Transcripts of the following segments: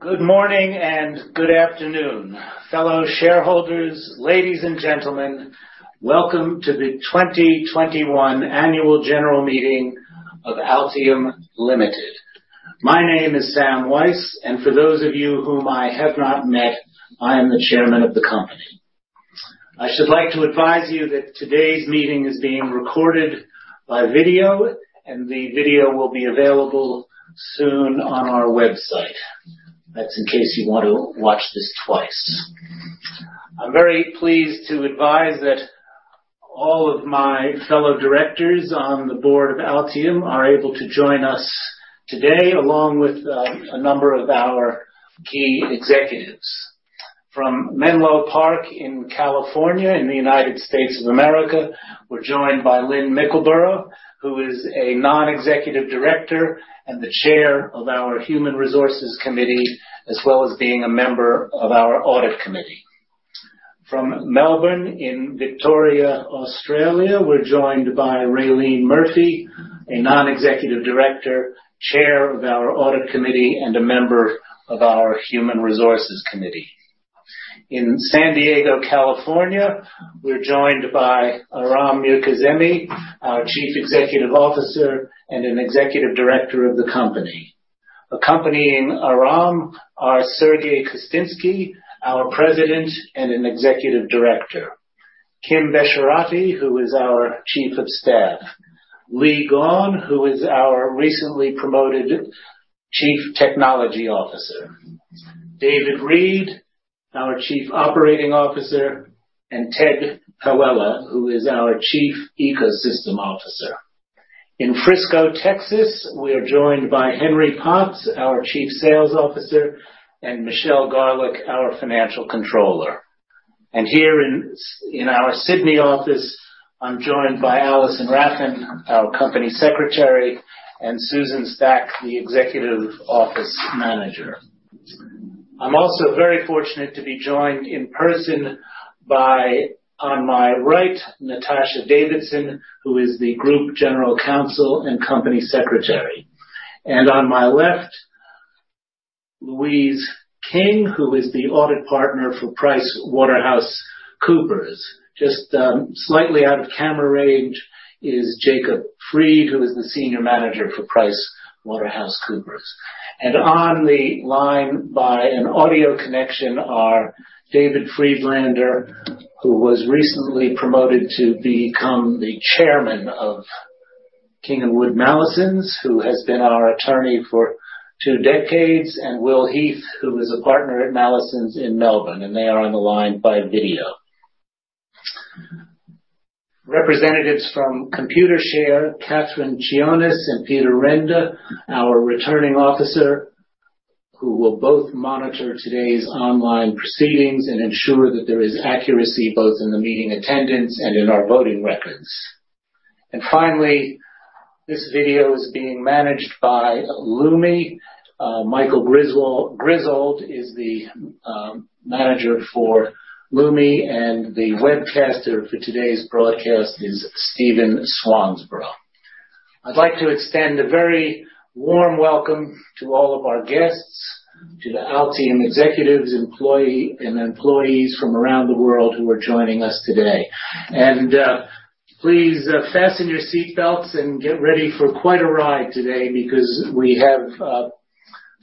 Good morning and good afternoon, fellow shareholders, ladies and gentlemen. Welcome to the 2021 annual general meeting of Altium Limited. My name is Sam Weiss, and for those of you whom I have not met, I am the Chairman of the company. I should like to advise you that today's meeting is being recorded by video, and the video will be available soon on our website. That's in case you want to watch this twice. I'm very pleased to advise that all of my fellow directors on the board of Altium are able to join us today, along with a number of our key executives. From Menlo Park in California in the United States of America, we're joined by Lynn Mickleburgh, who is a Non-Executive Director and the Chair of our Human Resources Committee, as well as being a member of our Audit Committee. From Melbourne in Victoria, Australia, we're joined by Raelene Murphy, a Non-Executive Director, Chair of our Audit Committee, and a member of our Human Resources Committee. In San Diego, California, we're joined by Aram Mirkazemi, our Chief Executive Officer and an executive director of the company. Accompanying Aram are Sergiy Kostynsky, our President and an executive director, Kim Besharati, who is our Chief of Staff, Leigh Gawne, who is our recently promoted Chief Technology Officer, David Read, our Chief Operating Officer, and Ted Pawela, who is our Chief Ecosystem Officer. In Frisco, Texas, we are joined by Henry Potts, our Chief Sales Officer, and Michelle Velarde, our financial controller. Here in our Sydney office, I'm joined by Alison Raffan, our company secretary, and Susan Stack, the executive office manager. I'm also very fortunate to be joined in person by, on my right, Natasha Davidson, who is the group general counsel and company secretary. On my left, Louise King, who is the audit partner for PricewaterhouseCoopers. Just, slightly out of camera range is Jacob Fraidl, who is the senior manager for PricewaterhouseCoopers. On the line by an audio connection are David Friedlander, who was recently promoted to become the chairman of King & Wood Mallesons, who has been our attorney for two decades, and Will Heath, who is a partner at Mallesons in Melbourne, and they are on the line by video. Representatives from Computershare, Kathryn Gionis and Peter Renda, our returning officer, who will both monitor today's online proceedings and ensure that there is accuracy both in the meeting attendance and in our voting records. Finally, this video is being managed by Lumi. Michael Griswold is the Manager for Lumi, and the webcaster for today's broadcast is Stephen Swansboro. I'd like to extend a very warm welcome to all of our guests, to the Altium executives and employees from around the world who are joining us today. Please fasten your seatbelts and get ready for quite a ride today because we have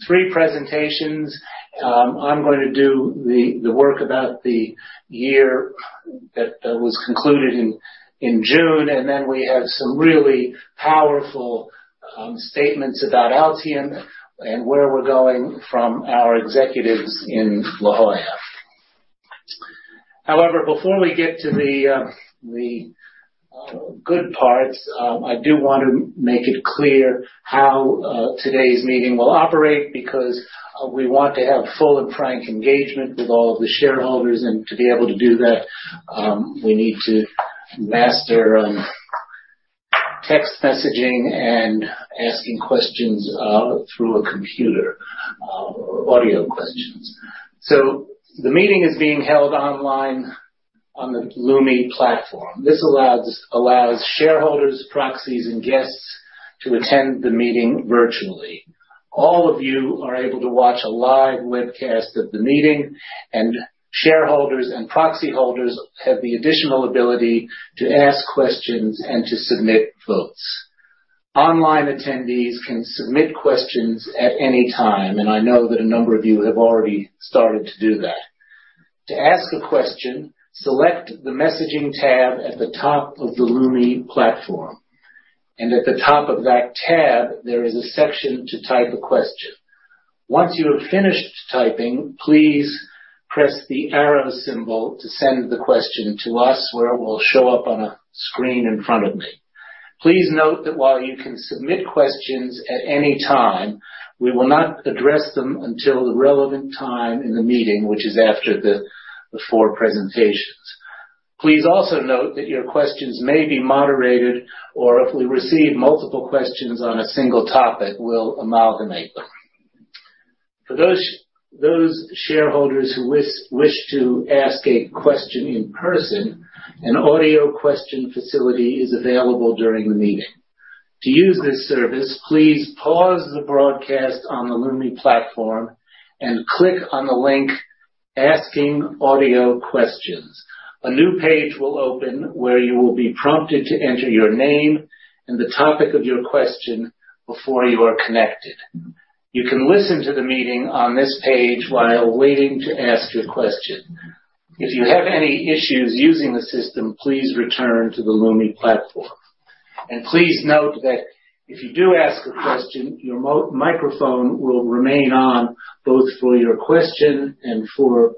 three presentations. I'm going to do the work about the year that was concluded in June, and then we have some really powerful statements about Altium and where we're going from our executives in La Jolla. However, before we get to the good parts, I do want to make it clear how today's meeting will operate because we want to have full and frank engagement with all of the shareholders. To be able to do that, we need to master text messaging and asking questions through a computer or audio questions. The meeting is being held online on the Lumi platform. This allows shareholders, proxies, and guests to attend the meeting virtually. All of you are able to watch a live webcast of the meeting, and shareholders and proxy holders have the additional ability to ask questions and to submit votes. Online attendees can submit questions at any time, and I know that a number of you have already started to do that. To ask a question, select the messaging tab at the top of the Lumi platform, and at the top of that tab, there is a section to type a question. Once you have finished typing, please press the arrow symbol to send the question to us, where it will show up on a screen in front of me. Please note that while you can submit questions at any time, we will not address them until the relevant time in the meeting, which is after the four presentations. Please also note that your questions may be moderated, or if we receive multiple questions on a single topic, we'll amalgamate them. For those shareholders who wish to ask a question in person, an audio question facility is available during the meeting. To use this service, please pause the broadcast on the Lumi platform and click on the link Asking Audio Questions. A new page will open where you will be prompted to enter your name and the topic of your question before you are connected. You can listen to the meeting on this page while waiting to ask your question. If you have any issues using the system, please return to the Lumi platform. Please note that if you do ask a question, your microphone will remain on both for your question and for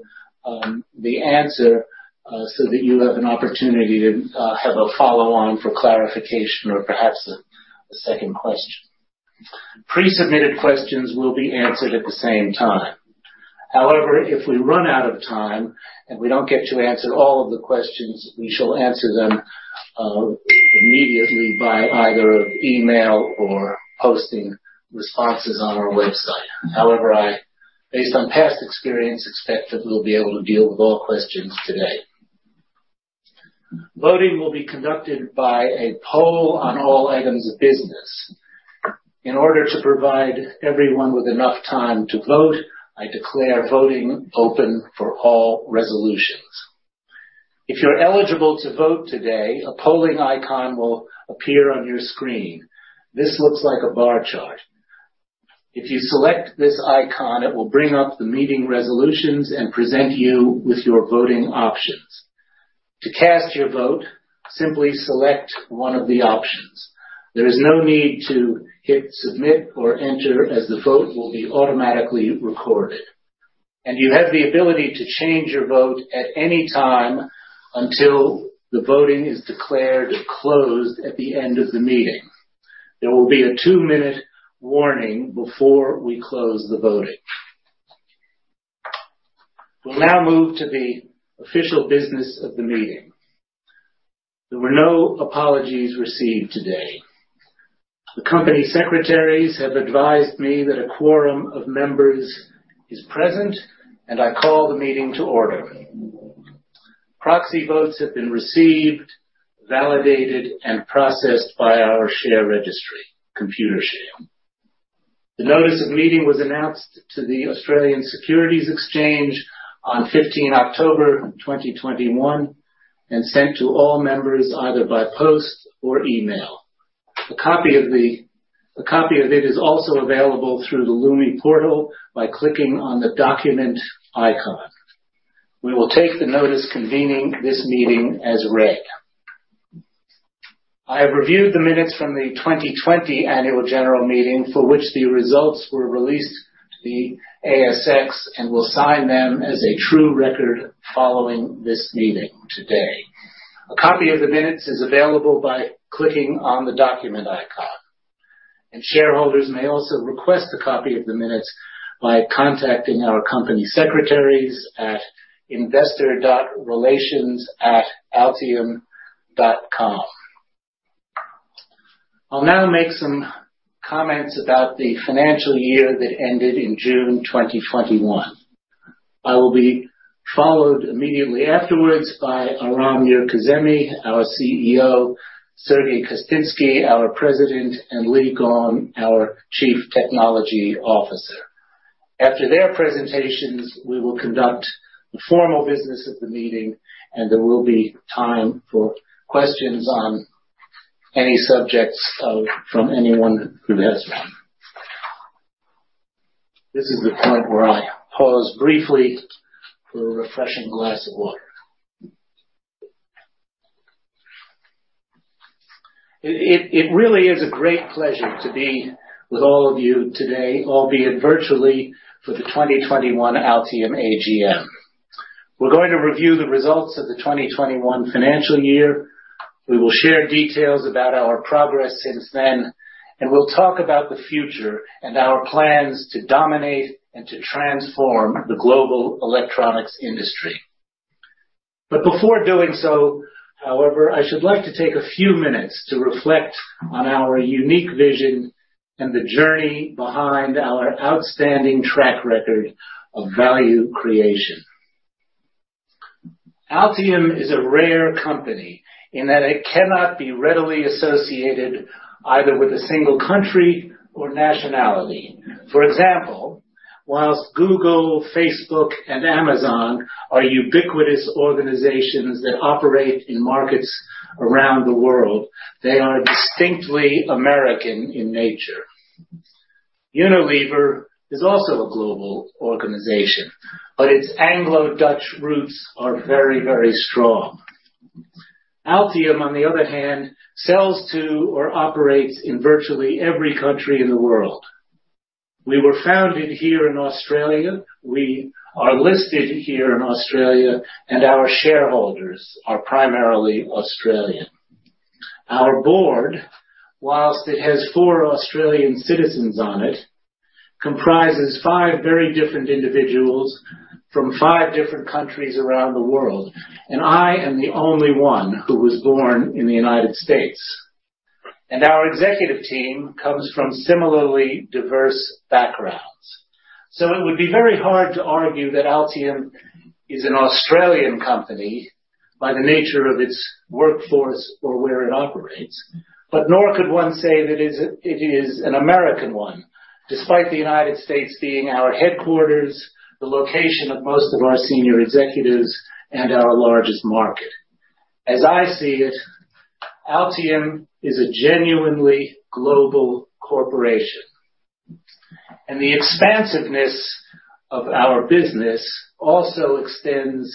the answer, so that you have an opportunity to have a follow-on for clarification or perhaps a second question. Pre-submitted questions will be answered at the same time. However, if we run out of time and we don't get to answer all of the questions, we shall answer them immediately by either email or posting responses on our website. However, I, based on past experience, expect that we'll be able to deal with all questions today. Voting will be conducted by a poll on all items of business. In order to provide everyone with enough time to vote, I declare voting open for all resolutions. If you're eligible to vote today, a polling icon will appear on your screen. This looks like a bar chart. If you select this icon, it will bring up the meeting resolutions and present you with your voting options. To cast your vote, simply select one of the options. There is no need to hit Submit or Enter as the vote will be automatically recorded. You have the ability to change your vote at any time until the voting is declared closed at the end of the meeting. There will be a two-minute warning before we close the voting. We'll now move to the official business of the meeting. There were no apologies received today. The company secretaries have advised me that a quorum of members is present, and I call the meeting to order. Proxy votes have been received, validated, and processed by our share registry, Computershare. The notice of meeting was announced to the Australian Securities Exchange on 15 October 2021 and sent to all members either by post or email. A copy of it is also available through the Lumi portal by clicking on the document icon. We will take the notice convening this meeting as read. I have reviewed the minutes from the 2020 annual general meeting for which the results were released to the ASX and will sign them as a true record following this meeting today. A copy of the minutes is available by clicking on the document icon. Shareholders may also request a copy of the minutes by contacting our company secretaries at investor.relations@altium.com. I'll now make some comments about the financial year that ended in June 2021. I will be followed immediately afterwards by Aram Mirkazemi, our CEO, Sergiy Kostynsky, our President, and Leigh Gawne, our Chief Technology Officer. After their presentations, we will conduct the formal business of the meeting, and there will be time for questions on any subjects from anyone who has one. This is the point where I pause briefly for a refreshing glass of water. It really is a great pleasure to be with all of you today, albeit virtually, for the 2021 Altium AGM. We're going to review the results of the 2021 financial year. We will share details about our progress since then, and we'll talk about the future and our plans to dominate and to transform the global electronics industry. Before doing so, however, I should like to take a few minutes to reflect on our unique vision and the journey behind our outstanding track record of value creation. Altium is a rare company in that it cannot be readily associated either with a single country or nationality. For example, while Google, Facebook, and Amazon are ubiquitous organizations that operate in markets around the world, they are distinctly American in nature. Unilever is also a global organization, but its Anglo-Dutch roots are very, very strong. Altium, on the other hand, sells to or operates in virtually every country in the world. We were founded here in Australia. We are listed here in Australia, and our shareholders are primarily Australian. Our board, while it has four Australian citizens on it, comprises five very different individuals from five different countries around the world, and I am the only one who was born in the United States. Our executive team comes from similarly diverse backgrounds. It would be very hard to argue that Altium is an Australian company by the nature of its workforce or where it operates. Nor could one say it is an American one, despite the United States being our headquarters, the location of most of our senior executives, and our largest market. As I see it, Altium is a genuinely global corporation. The expansiveness of our business also extends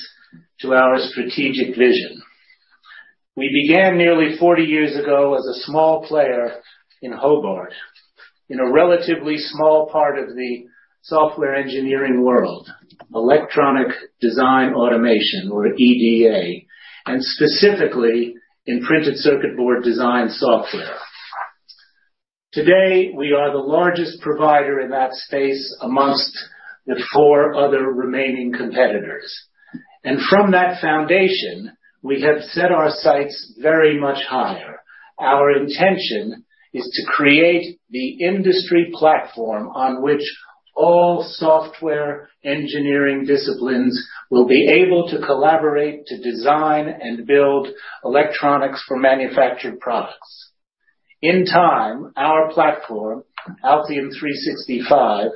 to our strategic vision. We began nearly 40 years ago as a small player in Hobart, in a relatively small part of the software engineering world, electronic design automation or EDA, and specifically in printed circuit board design software. Today, we are the largest provider in that space amongst the four other remaining competitors. From that foundation, we have set our sights very much higher. Our intention is to create the industry platform on which all software engineering disciplines will be able to collaborate to design and build electronics for manufactured products. In time, our platform, Altium 365,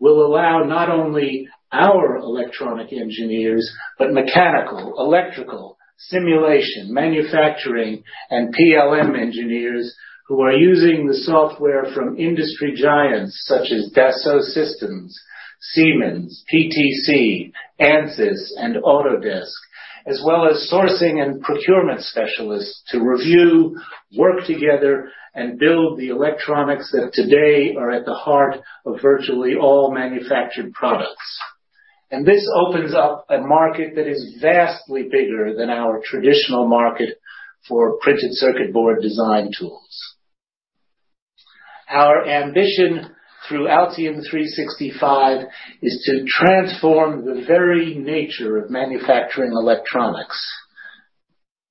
will allow not only our electronic engineers but mechanical, electrical, simulation, manufacturing, and PLM engineers who are using the software from industry giants such as Dassault Systèmes, Siemens, PTC, Ansys, and Autodesk, as well as sourcing and procurement specialists to review, work together, and build the electronics that today are at the heart of virtually all manufactured products. This opens up a market that is vastly bigger than our traditional market for printed circuit board design tools. Our ambition through Altium 365 is to transform the very nature of manufacturing electronics.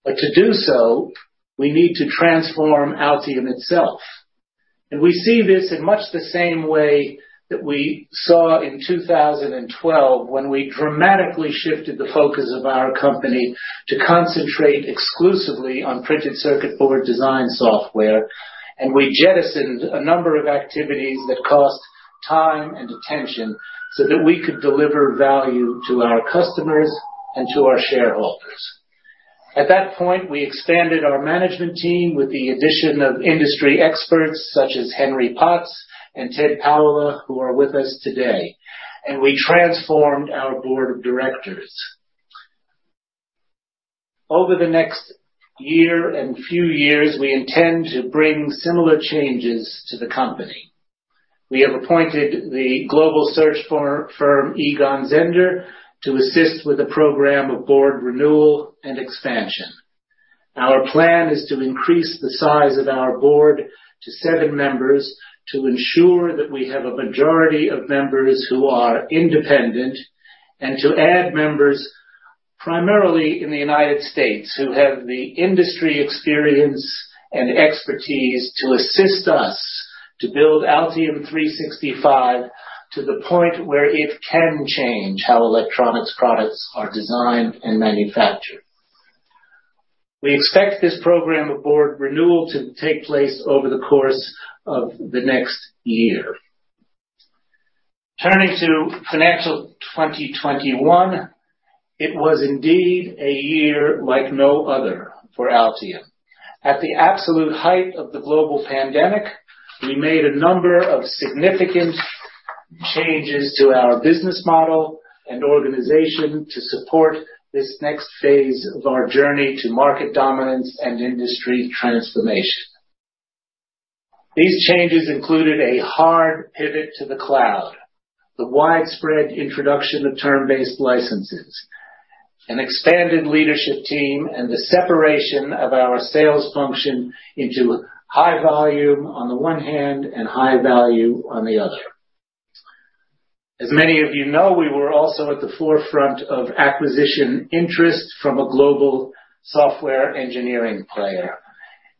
To do so, we need to transform Altium itself. We see this in much the same way that we saw in 2012 when we dramatically shifted the focus of our company to concentrate exclusively on printed circuit board design software, and we jettisoned a number of activities that cost time and attention so that we could deliver value to our customers and to our shareholders. At that point, we expanded our management team with the addition of industry experts such as Henry Potts and Ted Pawela, who are with us today, and we transformed our board of directors. Over the next year and few years, we intend to bring similar changes to the company. We have appointed the global search firm Egon Zehnder to assist with the program of board renewal and expansion. Our plan is to increase the size of our board to seven members to ensure that we have a majority of members who are independent, and to add members primarily in the United States who have the industry experience and expertise to assist us to build Altium 365 to the point where it can change how electronics products are designed and manufactured. We expect this program of board renewal to take place over the course of the next year. Turning to financial 2021, it was indeed a year like no other for Altium. At the absolute height of the global pandemic, we made a number of significant changes to our business model and organization to support this next phase of our journey to market dominance and industry transformation. These changes included a hard pivot to the cloud, the widespread introduction of term-based licenses, an expanded leadership team, and the separation of our sales function into high volume on the one hand and high value on the other. As many of you know, we were also at the forefront of acquisition interest from a global software engineering player,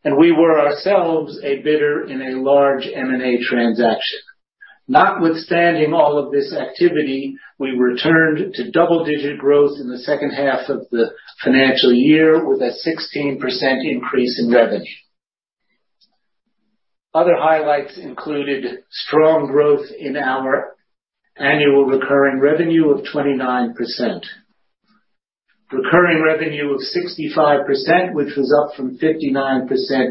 and we were ourselves a bidder in a large M&A transaction. Notwithstanding all of this activity, we returned to double-digit growth in the H2 of the financial year with a 16% increase in revenue. Other highlights included strong growth in our annual recurring revenue of 29%. Recurring revenue of 65%, which was up from 59%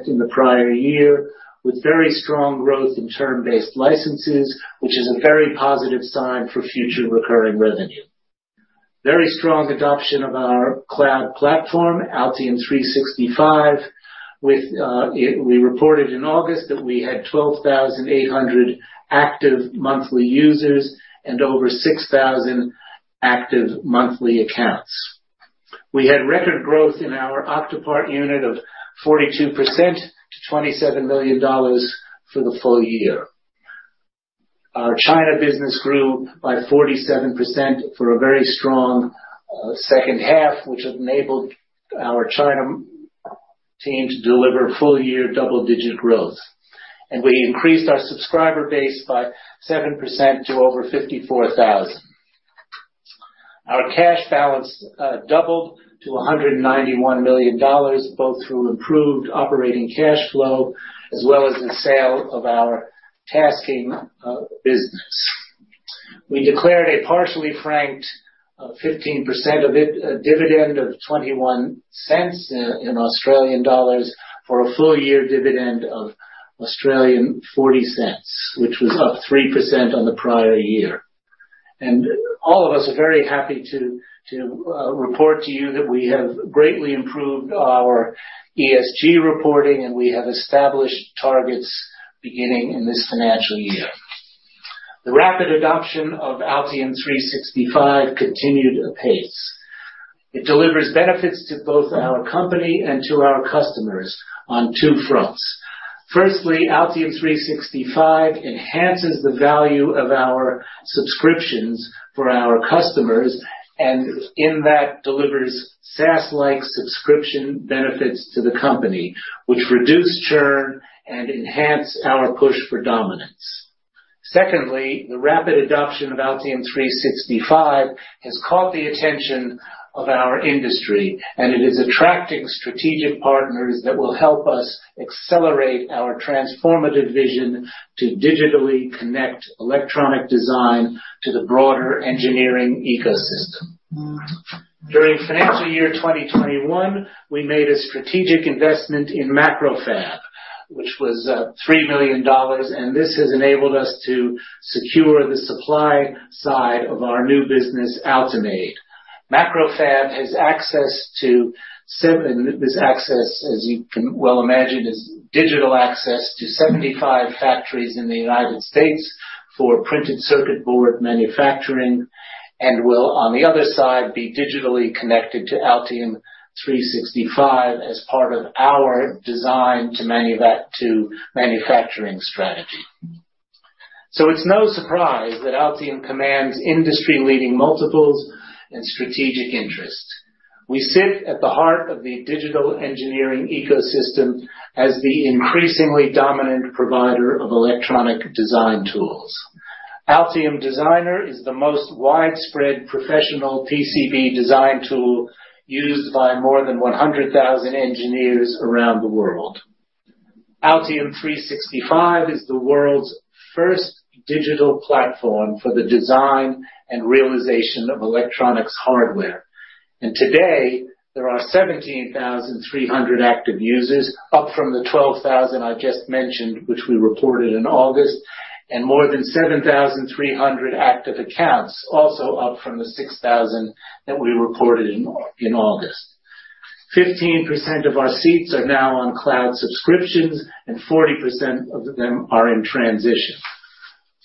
in the prior year, with very strong growth in term-based licenses, which is a very positive sign for future recurring revenue. Very strong adoption of our cloud platform, Altium 365. We reported in August that we had 12,800 active monthly users and over 6,000 active monthly accounts. We had record growth in our Octopart unit of 42% to $27 million for the full year. Our China business grew by 47% for a very strong H2, which enabled our China team to deliver full-year double-digit growth. We increased our subscriber base by 7% to over 54,000. Our cash balance doubled to $191 million, both through improved operating cash flow as well as the sale of our TASKING business. We declared a partially franked 15% of it dividend of 0.21 in Australian dollars for a full year dividend of Australian 0.40, which was up 3% on the prior year. All of us are very happy to report to you that we have greatly improved our ESG reporting, and we have established targets beginning in this financial year. The rapid adoption of Altium 365 continued apace. It delivers benefits to both our company and to our customers on two fronts. Firstly, Altium 365 enhances the value of our subscriptions for our customers, and in that delivers SaaS-like subscription benefits to the company, which reduce churn and enhance our push for dominance. Secondly, the rapid adoption of Altium 365 has caught the attention of our industry, and it is attracting strategic partners that will help us accelerate our transformative vision to digitally connect electronic design to the broader engineering ecosystem. During financial year 2021, we made a strategic investment in MacroFab, which was $3 million, and this has enabled us to secure the supply side of our new business, Altimade. MacroFab has access. This access, as you can well imagine, is digital access to 75 factories in the United States for printed circuit board manufacturing and will, on the other side, be digitally connected to Altium 365 as part of our design to manufacturing strategy. It's no surprise that Altium commands industry-leading multiples and strategic interests. We sit at the heart of the digital engineering ecosystem as the increasingly dominant provider of electronic design tools. Altium Designer is the most widespread professional PCB design tool used by more than 100,000 engineers around the world. Altium 365 is the world's first digital platform for the design and realization of electronics hardware. Today, there are 17,300 active users, up from the 12,000 I just mentioned, which we reported in August, and more than 7,300 active accounts, also up from the 6,000 that we reported in August. 15% of our seats are now on cloud subscriptions, and 40% of them are in transition.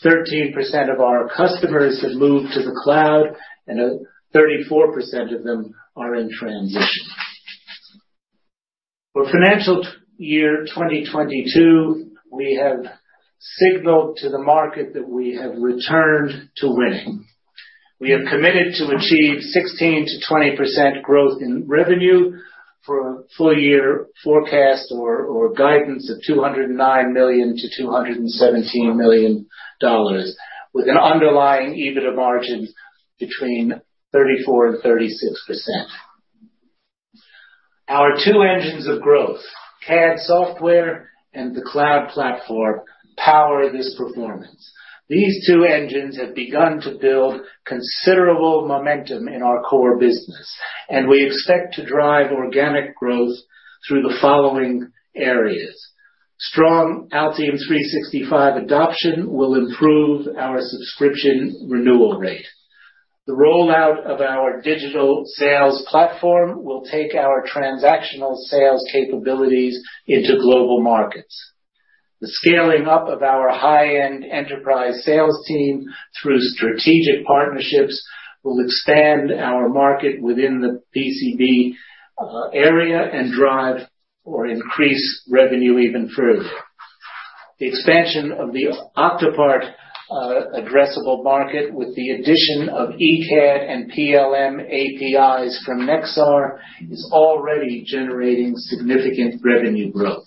13% of our customers have moved to the cloud, and 34% of them are in transition. For fiscal year 2022, we have signaled to the market that we have returned to winning. We have committed to achieve 16%-20% growth in revenue for a full year forecast or guidance of $209 million-217 million, with an underlying EBITDA margin between 34%-36%. Our two engines of growth, CAD software and the cloud platform, power this performance. These two engines have begun to build considerable momentum in our core business, and we expect to drive organic growth through the following areas. Strong Altium 365 adoption will improve our subscription renewal rate. The rollout of our digital sales platform will take our transactional sales capabilities into global markets. The scaling up of our high-end enterprise sales team through strategic partnerships will expand our market within the PCB area and drive or increase revenue even further. The expansion of the Octopart addressable market with the addition of eCAD and PLM APIs from Nexar is already generating significant revenue growth.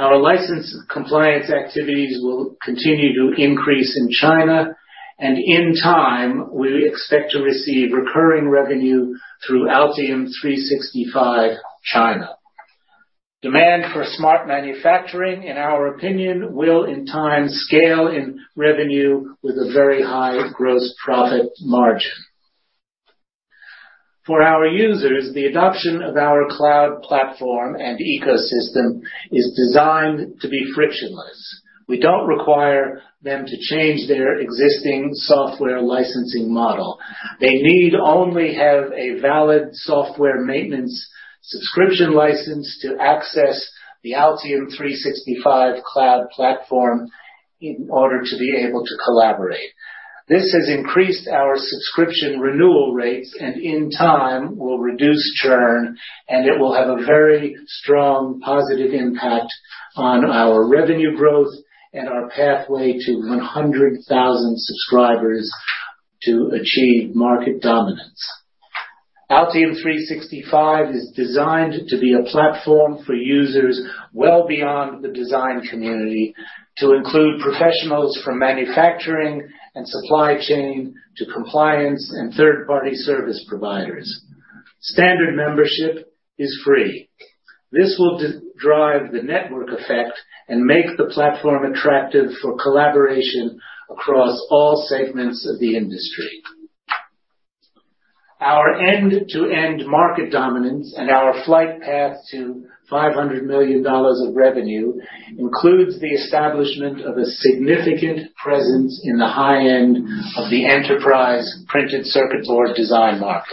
Our license compliance activities will continue to increase in China, and in time, we expect to receive recurring revenue through Altium 365 China. Demand for smart manufacturing, in our opinion, will, in time, scale in revenue with a very high gross profit margin. For our users, the adoption of our cloud platform and ecosystem is designed to be frictionless. We don't require them to change their existing software licensing model. They need only have a valid software maintenance subscription license to access the Altium 365 cloud platform in order to be able to collaborate. This has increased our subscription renewal rates and in time, will reduce churn, and it will have a very strong positive impact on our revenue growth and our pathway to 100,000 subscribers to achieve market dominance. Altium 365 is designed to be a platform for users well beyond the design community to include professionals from manufacturing and supply chain to compliance and third-party service providers. Standard membership is free. This will drive the network effect and make the platform attractive for collaboration across all segments of the industry. Our end-to-end market dominance and our flight path to $500 million of revenue includes the establishment of a significant presence in the high end of the enterprise printed circuit board design market.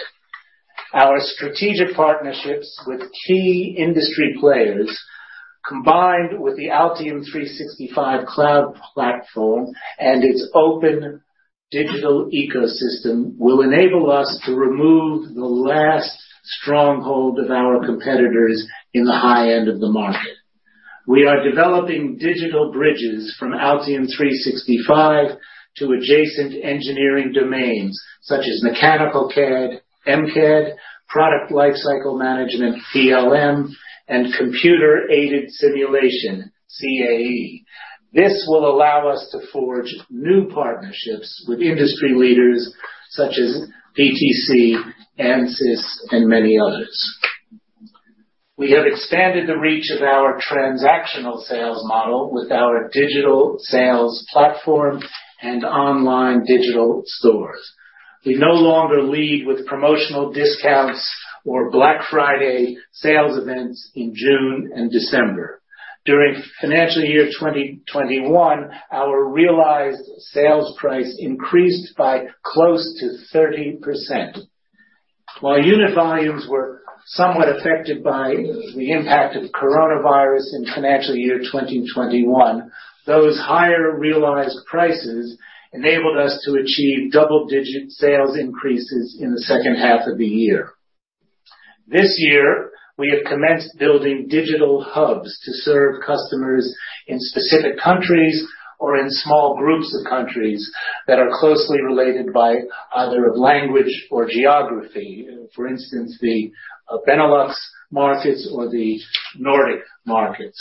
Our strategic partnerships with key industry players, combined with the Altium 365 cloud platform and its open digital ecosystem, will enable us to remove the last stronghold of our competitors in the high end of the market. We are developing digital bridges from Altium 365 to adjacent engineering domains such as mechanical CAD, MCAD, product lifecycle management, PLM, and computer-aided simulation, CAE. This will allow us to forge new partnerships with industry leaders such as PTC, Ansys, and many others. We have expanded the reach of our transactional sales model with our digital sales platform and online digital stores. We no longer lead with promotional discounts or Black Friday sales events in June and December. During financial year 2021, our realized sales price increased by close to 30%. While unit volumes were somewhat affected by the impact of Coronavirus in financial year 2021, those higher realized prices enabled us to achieve double-digit sales increases in the H2 of the year. This year, we have commenced building digital hubs to serve customers in specific countries or in small groups of countries that are closely related by either of language or geography. For instance, the Benelux markets or the Nordic markets.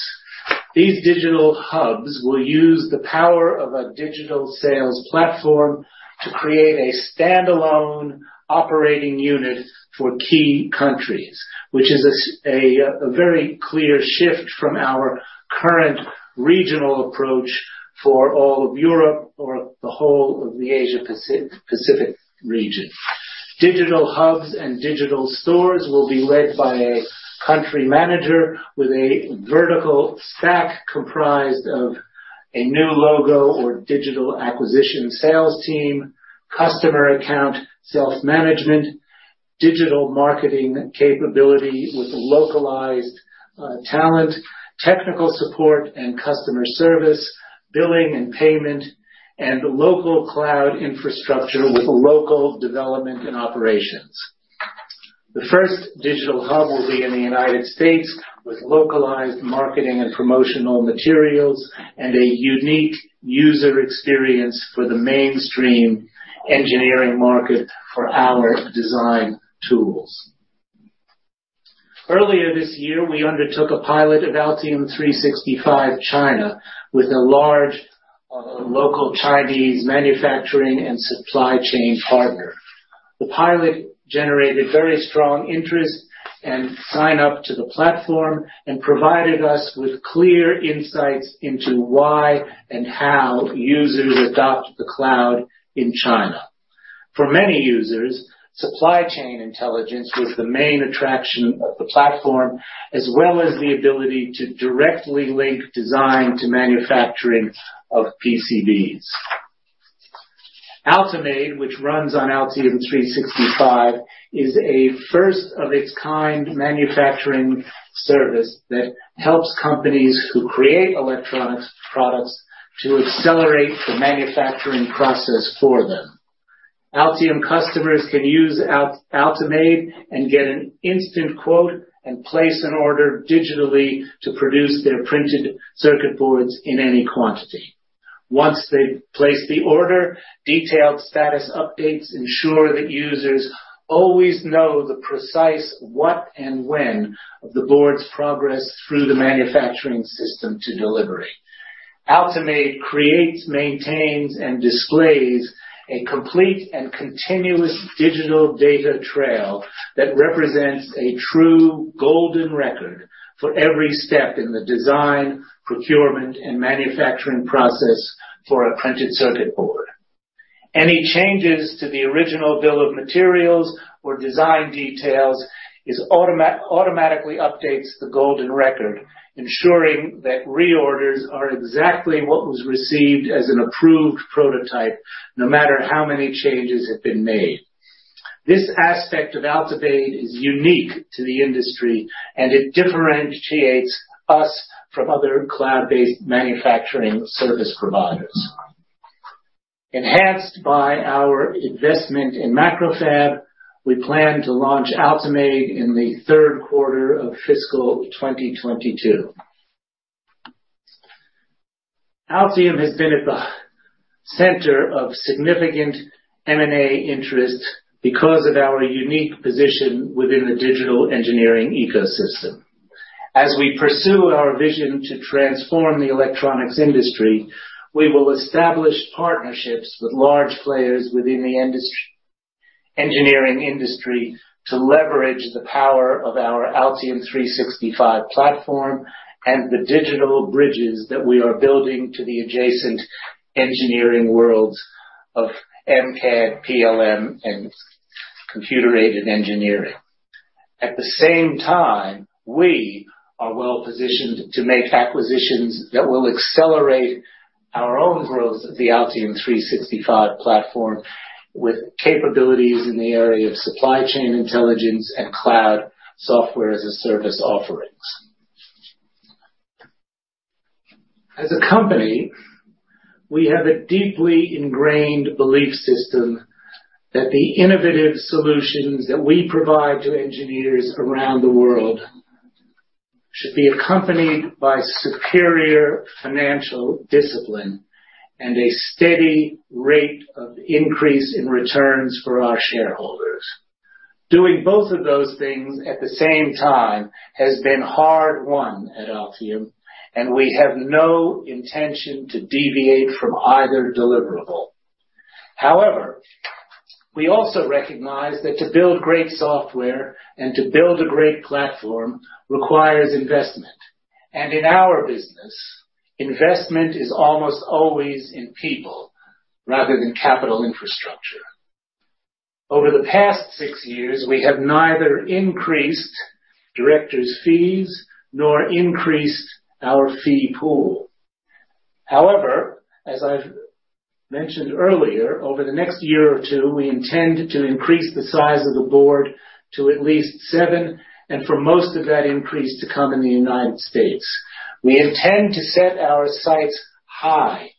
These digital hubs will use the power of a digital sales platform to create a standalone operating unit for key countries, which is a very clear shift from our current regional approach for all of Europe or the whole of the Asia Pacific region. Digital hubs and digital stores will be led by a country manager with a vertical stack comprised of a new logo or digital acquisition sales team, customer account, self-management, digital marketing capability with localized talent, technical support and customer service, billing and payment, and local cloud infrastructure with local development and operations. The first digital hub will be in the United States with localized marketing and promotional materials and a unique user experience for the mainstream engineering market for our design tools. Earlier this year, we undertook a pilot of Altium 365 China with a large local Chinese manufacturing and supply chain partner. The pilot generated very strong interest and sign up to the platform, and provided us with clear insights into why and how users adopt the cloud in China. For many users, supply chain intelligence was the main attraction of the platform, as well as the ability to directly link design to manufacturing of PCBs. Altimade, which runs on Altium 365, is a first-of-its-kind manufacturing service that helps companies who create electronics products to accelerate the manufacturing process for them. Altium customers can use Altimade and get an instant quote and place an order digitally to produce their printed circuit boards in any quantity. Once they've placed the order, detailed status updates ensure that users always know the precise what and when of the board's progress through the manufacturing system to delivery. Altimade creates, maintains, and displays a complete and continuous digital data trail that represents a true golden record for every step in the design, procurement, and manufacturing process for a printed circuit board. Any changes to the original bill of materials or design details is automatically updates the golden record, ensuring that reorders are exactly what was received as an approved prototype, no matter how many changes have been made. This aspect of Altimade is unique to the industry, and it differentiates us from other cloud-based manufacturing service providers. Enhanced by our investment in MacroFab, we plan to launch Altimade in the Q3 of fiscal 2022. Altium has been at the center of significant M&A interest because of our unique position within the digital engineering ecosystem. As we pursue our vision to transform the electronics industry, we will establish partnerships with large players within the engineering industry to leverage the power of our Altium 365 platform and the digital bridges that we are building to the adjacent engineering worlds of MCAD, PLM, and computer-aided engineering. At the same time, we are well positioned to make acquisitions that will accelerate our own growth of the Altium 365 platform with capabilities in the area of supply chain intelligence and cloud software as a service offerings. As a company, we have a deeply ingrained belief system that the innovative solutions that we provide to engineers around the world should be accompanied by superior financial discipline and a steady rate of increase in returns for our shareholders. Doing both of those things at the same time has been hard-won at Altium, and we have no intention to deviate from either deliverable. However, we also recognize that to build great software and to build a great platform requires investment. In our business, investment is almost always in people rather than capital infrastructure. Over the past six years, we have neither increased directors' fees nor increased our fee pool. However, as I've mentioned earlier, over the next year or two, we intend to increase the size of the board to at least seven, and for most of that increase to come in the United States. We intend to set our sights high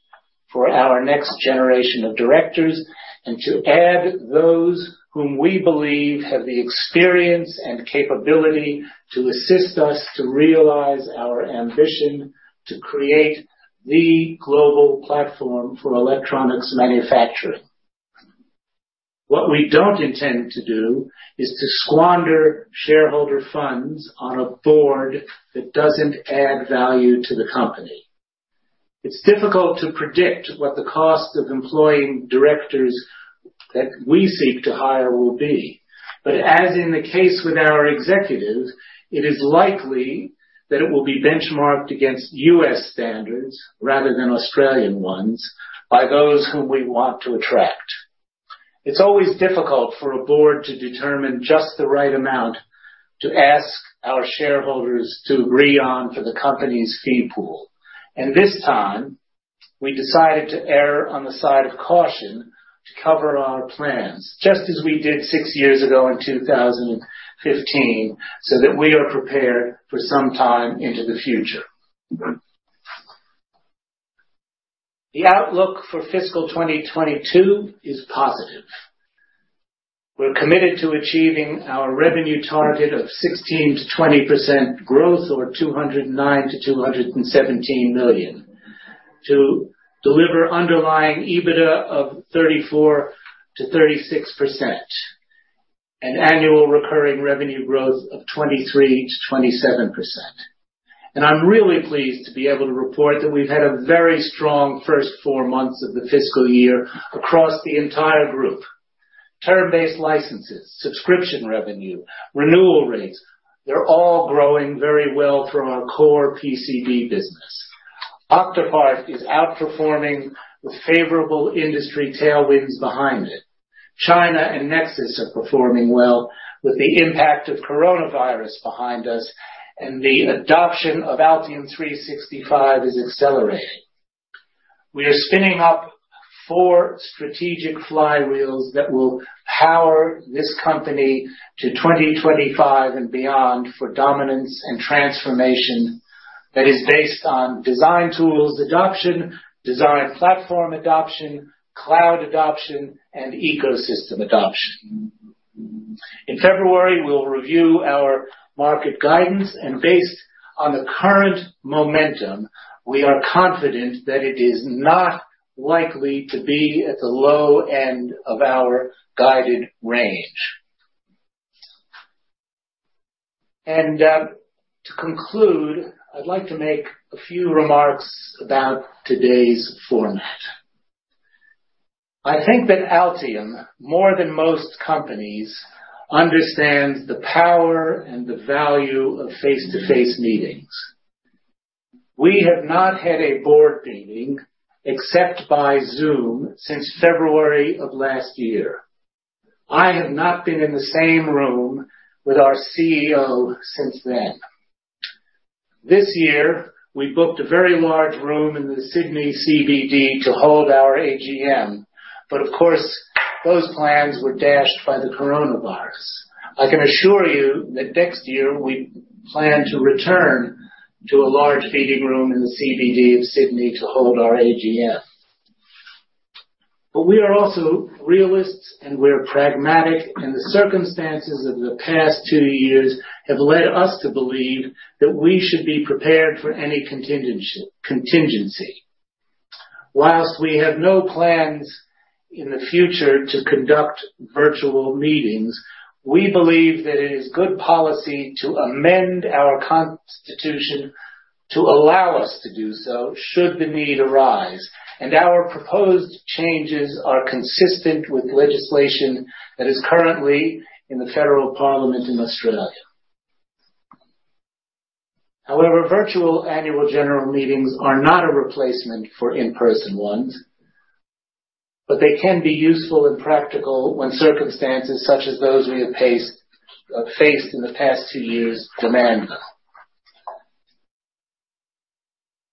for our next generation of directors and to add those whom we believe have the experience and capability to assist us to realize our ambition to create the global platform for electronics manufacturing. What we don't intend to do is to squander shareholder funds on a board that doesn't add value to the company. It's difficult to predict what the cost of employing directors that we seek to hire will be. As in the case with our executives, it is likely that it will be benchmarked against U.S. standards rather than Australian ones by those whom we want to attract. It's always difficult for a board to determine just the right amount to ask our shareholders to agree on for the company's fee pool. This time, we decided to err on the side of caution to cover our plans, just as we did 6 years ago in 2015, so that we are prepared for some time into the future. The outlook for fiscal 2022 is positive. We're committed to achieving our revenue target of 16%-20% growth or 209 million-217 million to deliver underlying EBITDA of 34%-36%. An annual recurring revenue growth of 23%-27%. I'm really pleased to be able to report that we've had a very strong first four-months of the fiscal year across the entire group. Term-based licenses, subscription revenue, renewal rates, they're all growing very well from our core PCB business. Octopart is outperforming with favorable industry tailwinds behind it. China and Nexar are performing well with the impact of coronavirus behind us, and the adoption of Altium 365 is accelerating. We are spinning up four strategic flywheels that will power this company to 2025 and beyond for dominance and transformation that is based on design tools adoption, design platform adoption, cloud adoption, and ecosystem adoption. In February, we'll review our market guidance, and based on the current momentum, we are confident that it is not likely to be at the low end of our guided range. To conclude, I'd like to make a few remarks about today's format. I think that Altium, more than most companies, understands the power and the value of face-to-face meetings. We have not had a board meeting, except by Zoom, since February of last year. I have not been in the same room with our CEO since then. This year, we booked a very large room in the Sydney CBD to hold our AGM. Of course, those plans were dashed by the coronavirus. I can assure you that next year we plan to return to a large meeting room in the CBD of Sydney to hold our AGM. We are also realists, and we're pragmatic, and the circumstances of the past two years have led us to believe that we should be prepared for any contingency. While we have no plans in the future to conduct virtual meetings, we believe that it is good policy to amend our constitution to allow us to do so should the need arise. Our proposed changes are consistent with legislation that is currently in the federal parliament in Australia. However, virtual annual general meetings are not a replacement for in-person ones, but they can be useful and practical when circumstances such as those we have faced in the past two years demand them.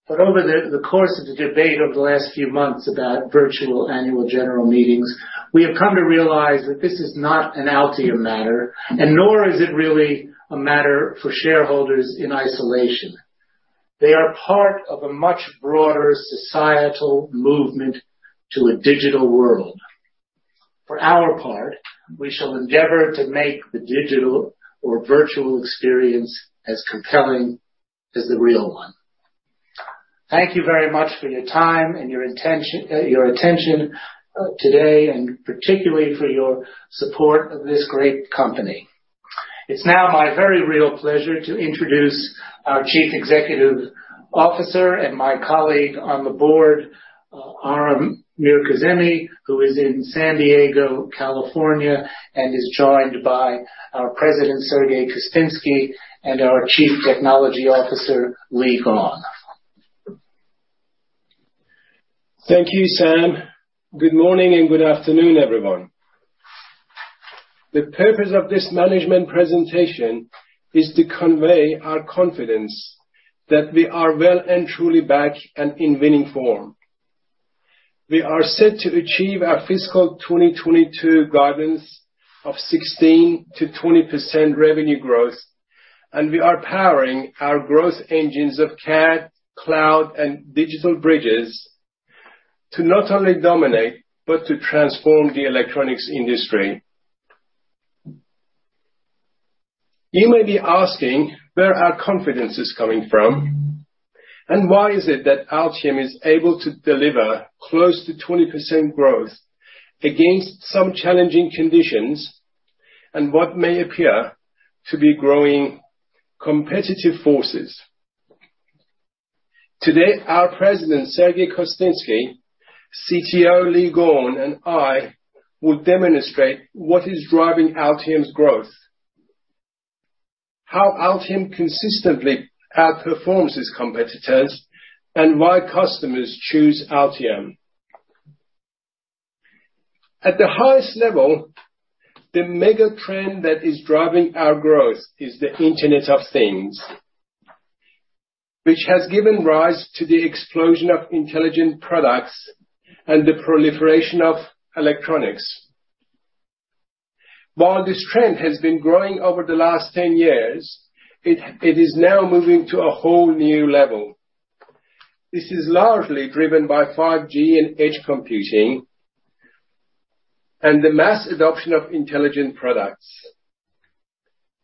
Over the course of the debate over the last few months about virtual annual general meetings, we have come to realize that this is not an Altium matter, and nor is it really a matter for shareholders in isolation. They are part of a much broader societal movement to a digital world. For our part, we shall endeavor to make the digital or virtual experience as compelling as the real one. Thank you very much for your time and your attention today and particularly for your support of this great company. It's now my very real pleasure to introduce our Chief Executive Officer and my colleague on the board, Aram Mirkazemi, who is in San Diego, California, and is joined by our President, Sergiy Kostynsky, and our Chief Technology Officer, Leigh Gawne. Thank you, Sam. Good morning and good afternoon, everyone. The purpose of this management presentation is to convey our confidence that we are well and truly back and in winning form. We are set to achieve our fiscal 2022 guidance of 16%-20% revenue growth, and we are powering our growth engines of CAD, cloud, and Digital Bridges to not only dominate but to transform the electronics industry. You may be asking where our confidence is coming from, and why is it that Altium is able to deliver close to 20% growth against some challenging conditions and what may appear to be growing competitive forces. Today, our President, Sergiy Kostynsky, CTO Leigh Gawne, and I will demonstrate what is driving Altium's growth, how Altium consistently outperforms its competitors, and why customers choose Altium. At the highest level, the mega-trend that is driving our growth is the Internet of Things, which has given rise to the explosion of intelligent products and the proliferation of electronics. While this trend has been growing over the last 10 years, it is now moving to a whole new level. This is largely driven by 5G and edge computing and the mass adoption of intelligent products.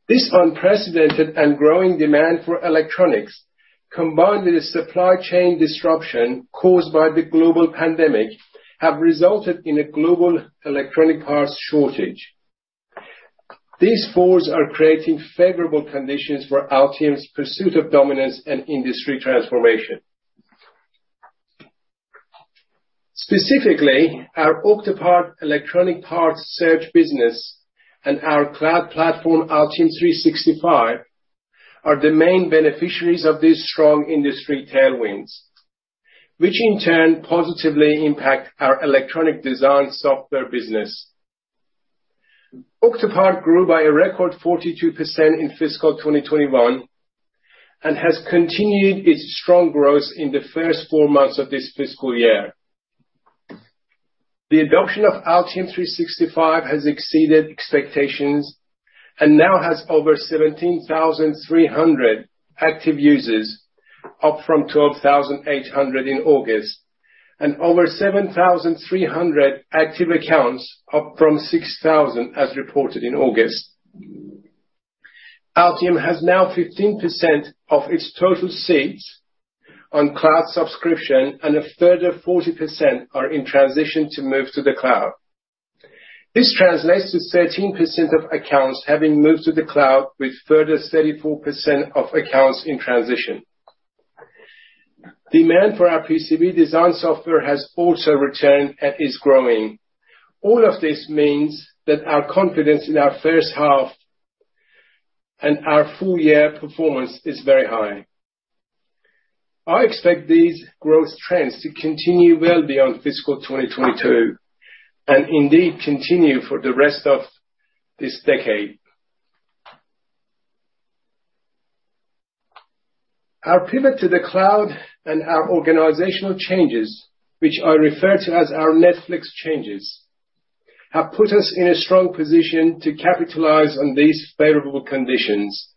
This unprecedented and growing demand for electronics, combined with the supply chain disruption caused by the global pandemic, have resulted in a global electronic parts shortage. These forces are creating favorable conditions for Altium's pursuit of dominance and industry transformation. Specifically, our Octopart electronic parts search business and our cloud platform, Altium 365, are the main beneficiaries of these strong industry tailwinds, which in turn positively impact our electronic design software business. Octopart grew by a record 42% in fiscal 2021 and has continued its strong growth in the first four months of this fiscal year. The adoption of Altium 365 has exceeded expectations and now has over 17,300 active users, up from 12,800 in August, and over 7,300 active accounts, up from 6,000 as reported in August. Altium has now 15% of its total seats on cloud subscription, and a further 40% are in transition to move to the cloud. This translates to 13% of accounts having moved to the cloud, with further 34% of accounts in transition. Demand for our PCB design software has also returned and is growing. All of this means that our confidence in our H1 and our full-year performance is very high. I expect these growth trends to continue well beyond fiscal 2022, and indeed continue for the rest of this decade. Our pivot to the cloud and our organizational changes, which I refer to as our Netflix changes, have put us in a strong position to capitalize on these favorable conditions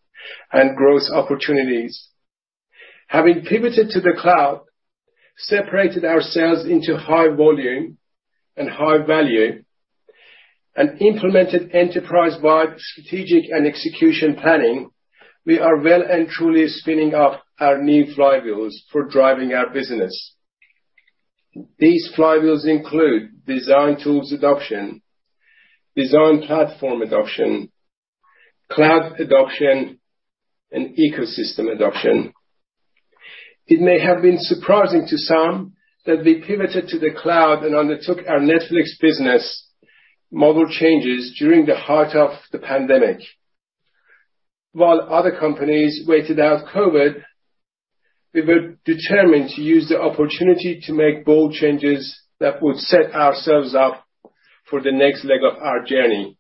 and growth opportunities. Having pivoted to the cloud, separated our sales into high volume and high value, and implemented enterprise-wide strategic and execution planning, we are well and truly spinning up our new flywheels for driving our business. These flywheels include design tools adoption, design platform adoption, cloud adoption, and ecosystem adoption. It may have been surprising to some that we pivoted to the cloud and undertook our Netflix business model changes during the heart of the pandemic. While other companies waited out COVID, we were determined to use the opportunity to make bold changes that would set ourselves up for the next leg of our journey.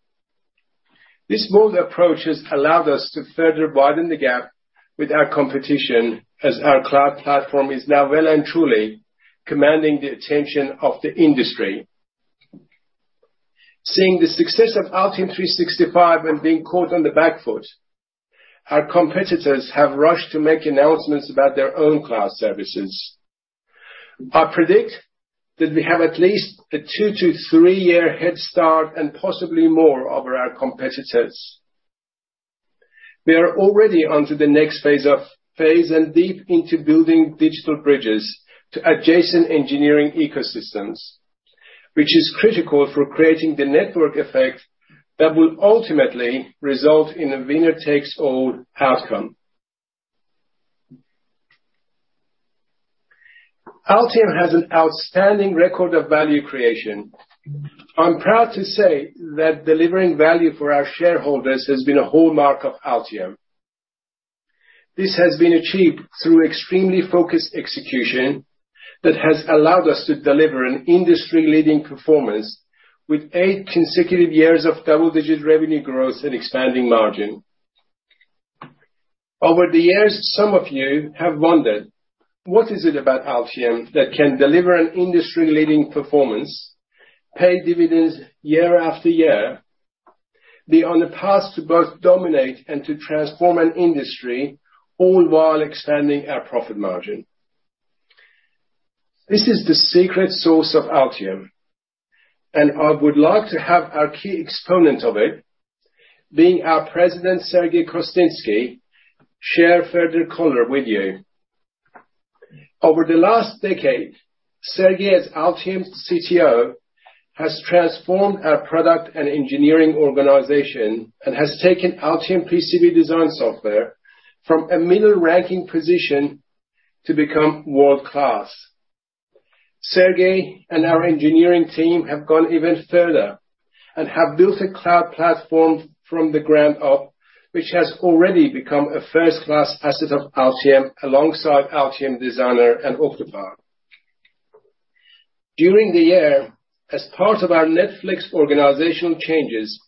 These bold approaches allowed us to further widen the gap with our competition, as our cloud platform is now well and truly commanding the attention of the industry. Seeing the success of Altium 365 and being caught on the back foot, our competitors have rushed to make announcements about their own cloud services. I predict that we have at least a two-three-year head start and possibly more over our competitors. We are already onto the next phase and deep into building digital bridges to adjacent engineering ecosystems, which is critical for creating the network effect that will ultimately result in a winner-takes-all outcome. Altium has an outstanding record of value creation. I'm proud to say that delivering value for our shareholders has been a hallmark of Altium. This has been achieved through extremely focused execution that has allowed us to deliver an industry-leading performance with eight consecutive years of double-digit revenue growth and expanding margin. Over the years, some of you have wondered, "What is it about Altium that can deliver an industry-leading performance, pay dividends year after year, be on the path to both dominate and to transform an industry, all while expanding our profit margin?" This is the secret source of Altium, and I would like to have our key exponent of it, being our President, Sergiy Kostynsky, share further color with you. Over the last decade, Sergiy, as Altium's CTO, has transformed our product and engineering organization and has taken Altium PCB design software from a middle-ranking position to become world-class. Sergiy and our engineering team have gone even further and have built a cloud platform from the ground up, which has already become a first-class asset of Altium alongside Altium Designer and Octopart. During the year, as part of our Netflix organizational changes,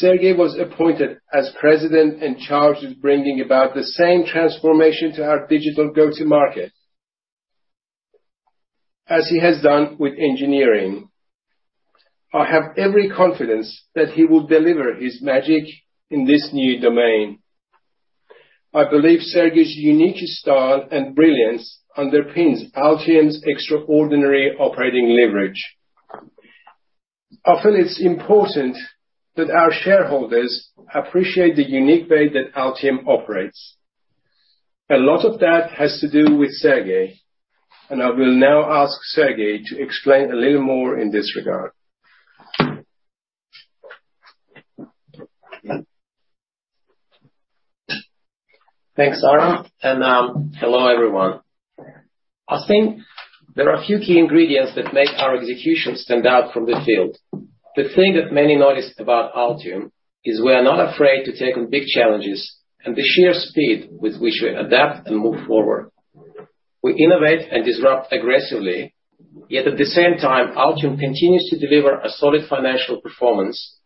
Sergiy was appointed as president in charge of bringing about the same transformation to our digital go-to-market as he has done with engineering. I have every confidence that he will deliver his magic in this new domain. I believe Sergiy's unique style and brilliance underpins Altium's extraordinary operating leverage. I feel it's important that our shareholders appreciate the unique way that Altium operates. A lot of that has to do with Sergiy, and I will now ask Sergiy to explain a little more in this regard. Thanks, Aram, and hello, everyone. I think there are a few key ingredients that make our execution stand out from the field. The thing that many notice about Altium is we are not afraid to take on big challenges and the sheer speed with which we adapt and move forward. We innovate and disrupt aggressively, yet at the same time, Altium continues to deliver a solid financial performance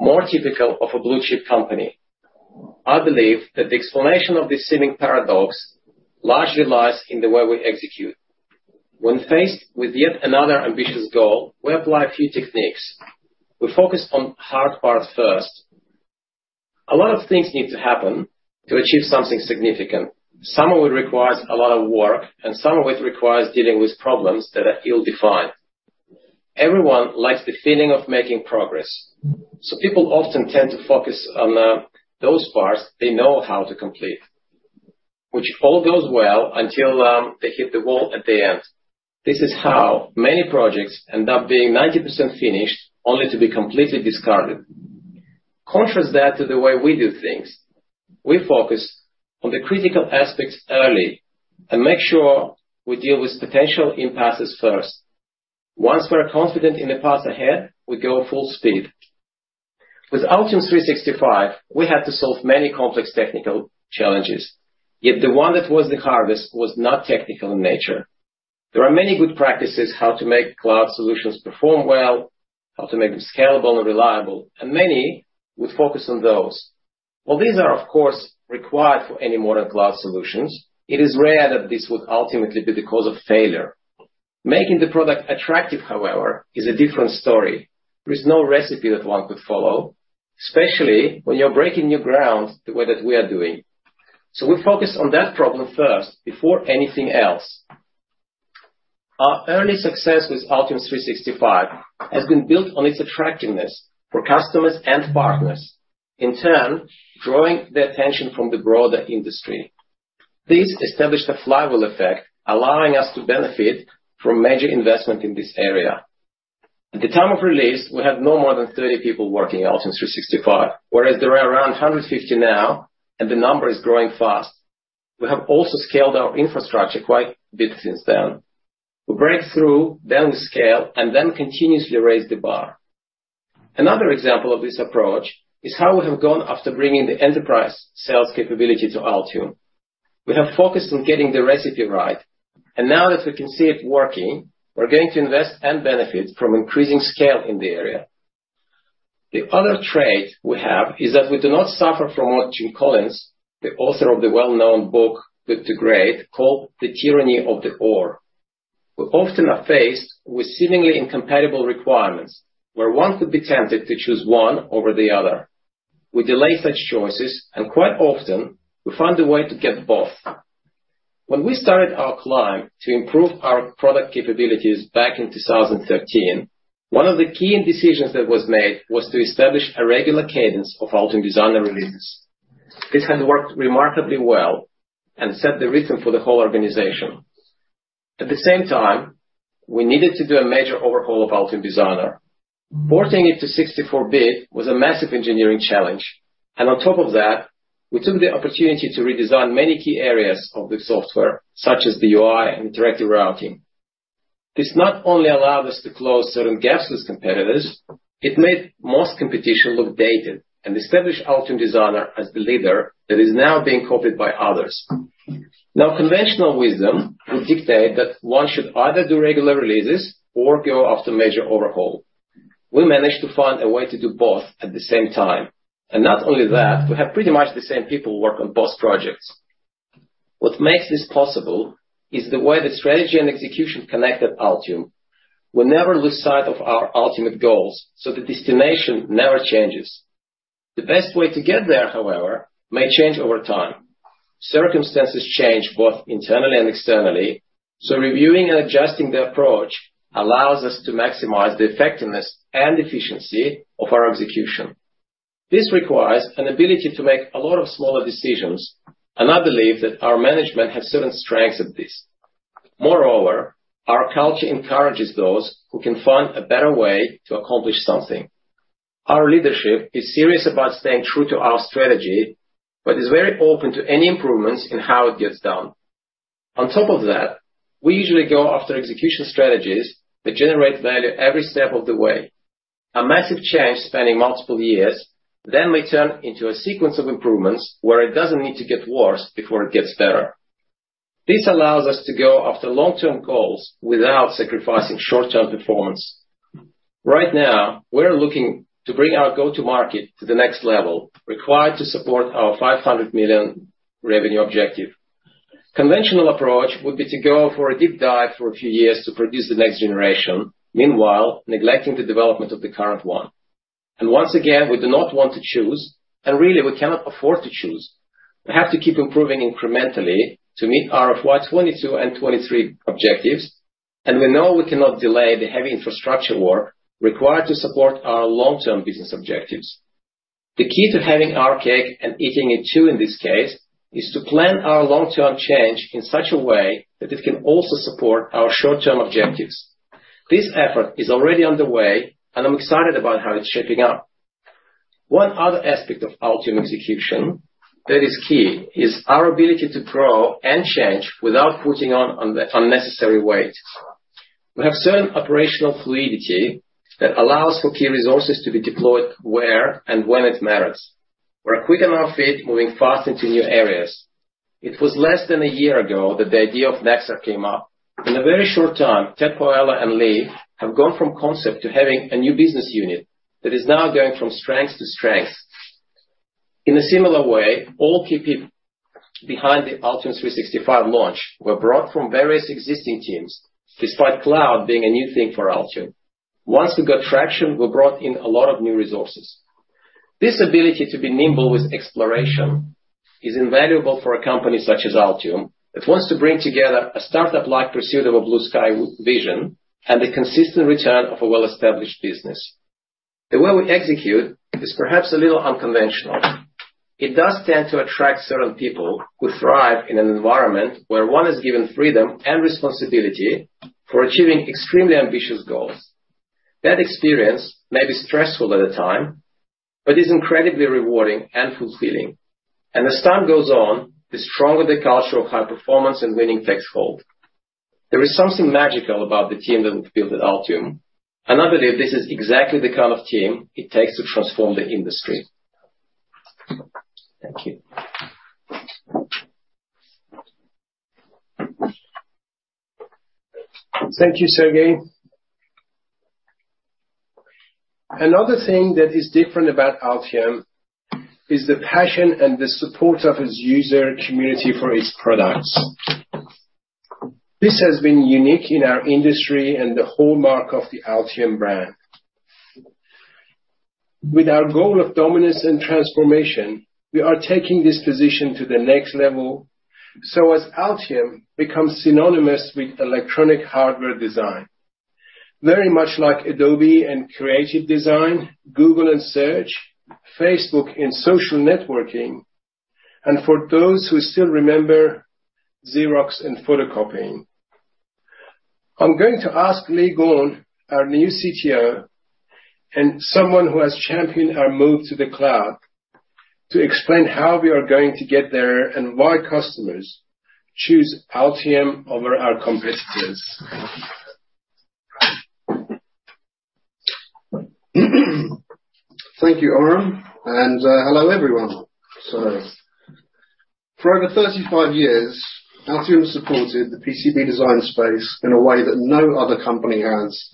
more typical of a blue-chip company. I believe that the explanation of this seeming paradox largely lies in the way we execute. When faced with yet another ambitious goal, we apply a few techniques. We focus on hard parts first. A lot of things need to happen to achieve something significant. Some of it requires a lot of work, and some of it requires dealing with problems that are ill-defined. Everyone likes the feeling of making progress, so people often tend to focus on those parts they know how to complete, which all goes well until they hit the wall at the end. This is how many projects end up being 90% finished, only to be completely discarded. Contrast that to the way we do things. We focus on the critical aspects early and make sure we deal with potential impasses first. Once we're confident in the path ahead, we go full speed. With Altium 365, we had to solve many complex technical challenges. Yet the one that was the hardest was not technical in nature. There are many good practices how to make cloud solutions perform well, how to make them scalable and reliable, and many would focus on those. While these are, of course, required for any modern cloud solutions, it is rare that this would ultimately be the cause of failure. Making the product attractive, however, is a different story. There is no recipe that one could follow, especially when you're breaking new ground the way that we are doing. We focus on that problem first before anything else. Our early success with Altium 365 has been built on its attractiveness for customers and partners, in turn, drawing the attention from the broader industry. This established a flywheel effect, allowing us to benefit from major investment in this area. At the time of release, we had no more than 30 people working Altium 365, whereas there are around 150 now, and the number is growing fast. We have also scaled our infrastructure quite a bit since then. We break through, then we scale, and then continuously raise the bar. Another example of this approach is how we have gone after bringing the enterprise sales capability to Altium. We have focused on getting the recipe right, and now that we can see it working, we're going to invest and benefit from increasing scale in the area. The other trait we have is that we do not suffer from what Jim Collins, the author of the well-known book, Good to Great, called the tyranny of the or. We often are faced with seemingly incompatible requirements, where one could be tempted to choose one over the other. We delay such choices, and quite often, we find a way to get both. When we started our climb to improve our product capabilities back in 2013, one of the key decisions that was made was to establish a regular cadence of Altium Designer releases. This has worked remarkably well and set the rhythm for the whole organization. At the same time, we needed to do a major overhaul of Altium Designer. Porting it to 64-bit was a massive engineering challenge, and on top of that, we took the opportunity to redesign many key areas of the software, such as the UI and interactive routing. This not only allowed us to close certain gaps with competitors, it made most competition look dated and established Altium Designer as the leader that is now being copied by others. Now, conventional wisdom would dictate that one should either do regular releases or go after major overhaul. We managed to find a way to do both at the same time. Not only that, we have pretty much the same people work on both projects. What makes this possible is the way the strategy and execution connect at Altium. We never lose sight of our ultimate goals, so the destination never changes. The best way to get there, however, may change over time. Circumstances change both internally and externally, so reviewing and adjusting the approach allows us to maximize the effectiveness and efficiency of our execution. This requires an ability to make a lot of smaller decisions, and I believe that our management has certain strengths at this. Moreover, our culture encourages those who can find a better way to accomplish something. Our leadership is serious about staying true to our strategy, but is very open to any improvements in how it gets done. On top of that, we usually go after execution strategies that generate value every step of the way. A massive change spanning multiple years then may turn into a sequence of improvements where it doesn't need to get worse before it gets better. This allows us to go after long-term goals without sacrificing short-term performance. Right now, we're looking to bring our go-to market to the next level required to support our $500 million revenue objective. Conventional approach would be to go for a deep dive for a few years to produce the next generation, meanwhile neglecting the development of the current one. Once again, we do not want to choose, and really, we cannot afford to choose. We have to keep improving incrementally to meet our FY 2022 and 2023 objectives, and we know we cannot delay the heavy infrastructure work required to support our long-term business objectives. The key to having our cake and eating it too, in this case, is to plan our long-term change in such a way that it can also support our short-term objectives. This effort is already underway, and I'm excited about how it's shaping up. One other aspect of Altium execution that is key is our ability to grow and change without putting on unnecessary weight. We have certain operational fluidity that allows for key resources to be deployed where and when it matters. We're quick on our feet, moving fast into new areas. It was less than a year ago that the idea of Nexar came up. In a very short-time, Ted Pawela and Leigh have gone from concept to having a new business unit that is now going from strength to strength. In a similar way, all key people behind the Altium 365 launch were brought from various existing teams, despite cloud being a new thing for Altium. Once we got traction, we brought in a lot of new resources. This ability to be nimble with exploration is invaluable for a company such as Altium that wants to bring together a startup-like pursuit of a blue sky vision and the consistent return of a well-established business. The way we execute is perhaps a little unconventional. It does tend to attract certain people who thrive in an environment where one is given freedom and responsibility for achieving extremely ambitious goals. That experience may be stressful at the time, but is incredibly rewarding and fulfilling. As time goes on, the stronger the culture of high performance and winning takes hold. There is something magical about the team that we've built at Altium, and I believe this is exactly the kind of team it takes to transform the industry. Thank you. Thank you, Sergiy. Another thing that is different about Altium is the passion and the support of its user community for its products. This has been unique in our industry and the hallmark of the Altium brand. With our goal of dominance and transformation, we are taking this position to the next level. As Altium becomes synonymous with electronic hardware design, very much like Adobe in creative design, Google in search, Facebook in social networking, and for those who still remember Xerox in photocopying. I'm going to ask Leigh Gawne, our new CTO and someone who has championed our move to the cloud, to explain how we are going to get there and why customers choose Altium over our competitors. Thank you, Aram, and hello, everyone. For over 35 years, Altium supported the PCB design space in a way that no other company has,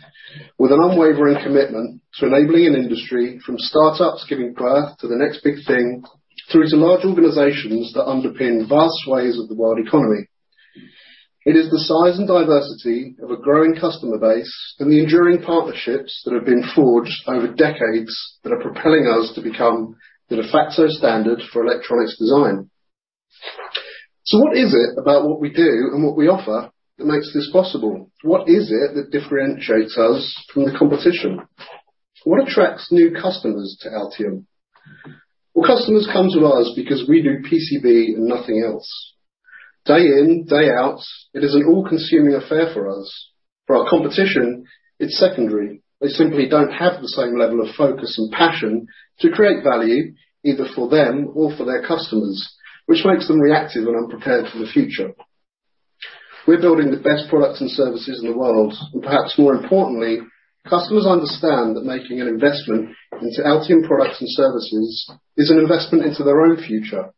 with an unwavering commitment to enabling an industry from startups giving birth to the next big thing, through to large organizations that underpin vast swathes of the world economy. It is the size and diversity of a growing customer base and the enduring partnerships that have been forged over decades that are propelling us to become the de facto standard for electronics design. What is it about what we do and what we offer that makes this possible? What is it that differentiates us from the competition? What attracts new customers to Altium? Well, customers come to us because we do PCB and nothing else. Day in, day out, it is an all-consuming affair for us. For our competition, it's secondary. They simply don't have the same level of focus and passion to create value either for them or for their customers, which makes them reactive and unprepared for the future. We're building the best products and services in the world, and perhaps more importantly, customers understand that making an investment into Altium products and services is an investment into their own future.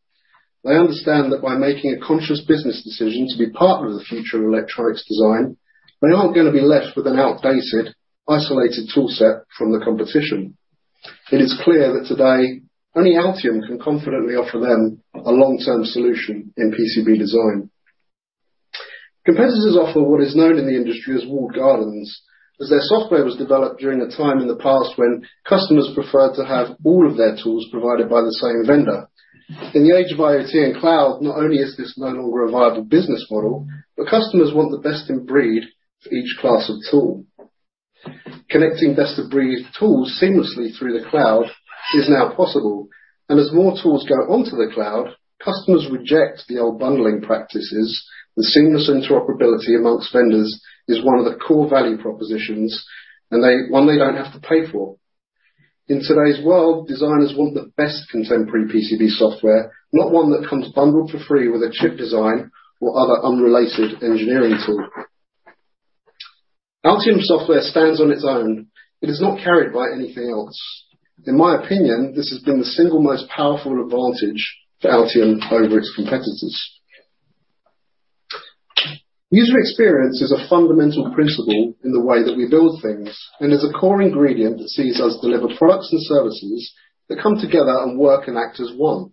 They understand that by making a conscious business decision to be part of the future of electronics design, they aren't gonna be left with an outdated, isolated tool set from the competition. It is clear that today only Altium can confidently offer them a long-term solution in PCB design. Competitors offer what is known in the industry as walled gardens, as their software was developed during a time in the past when customers preferred to have all of their tools provided by the same vendor. In the age of IoT and cloud, not only is this no longer a viable business model, but customers want the best-in-breed for each class of tool. Connecting best-of-breed tools seamlessly through the cloud is now possible, and as more tools go onto the cloud, customers reject the old bundling practices. The seamless interoperability among vendors is one of the core value propositions, and one they don't have to pay for. In today's world, designers want the best contemporary PCB software, not one that comes bundled for free with a chip design or other unrelated engineering tool. Altium software stands on its own. It is not carried by anything else. In my opinion, this has been the single most powerful advantage for Altium over its competitors. User experience is a fundamental principle in the way that we build things and is a core ingredient that sees us deliver products and services that come together and work and act as one.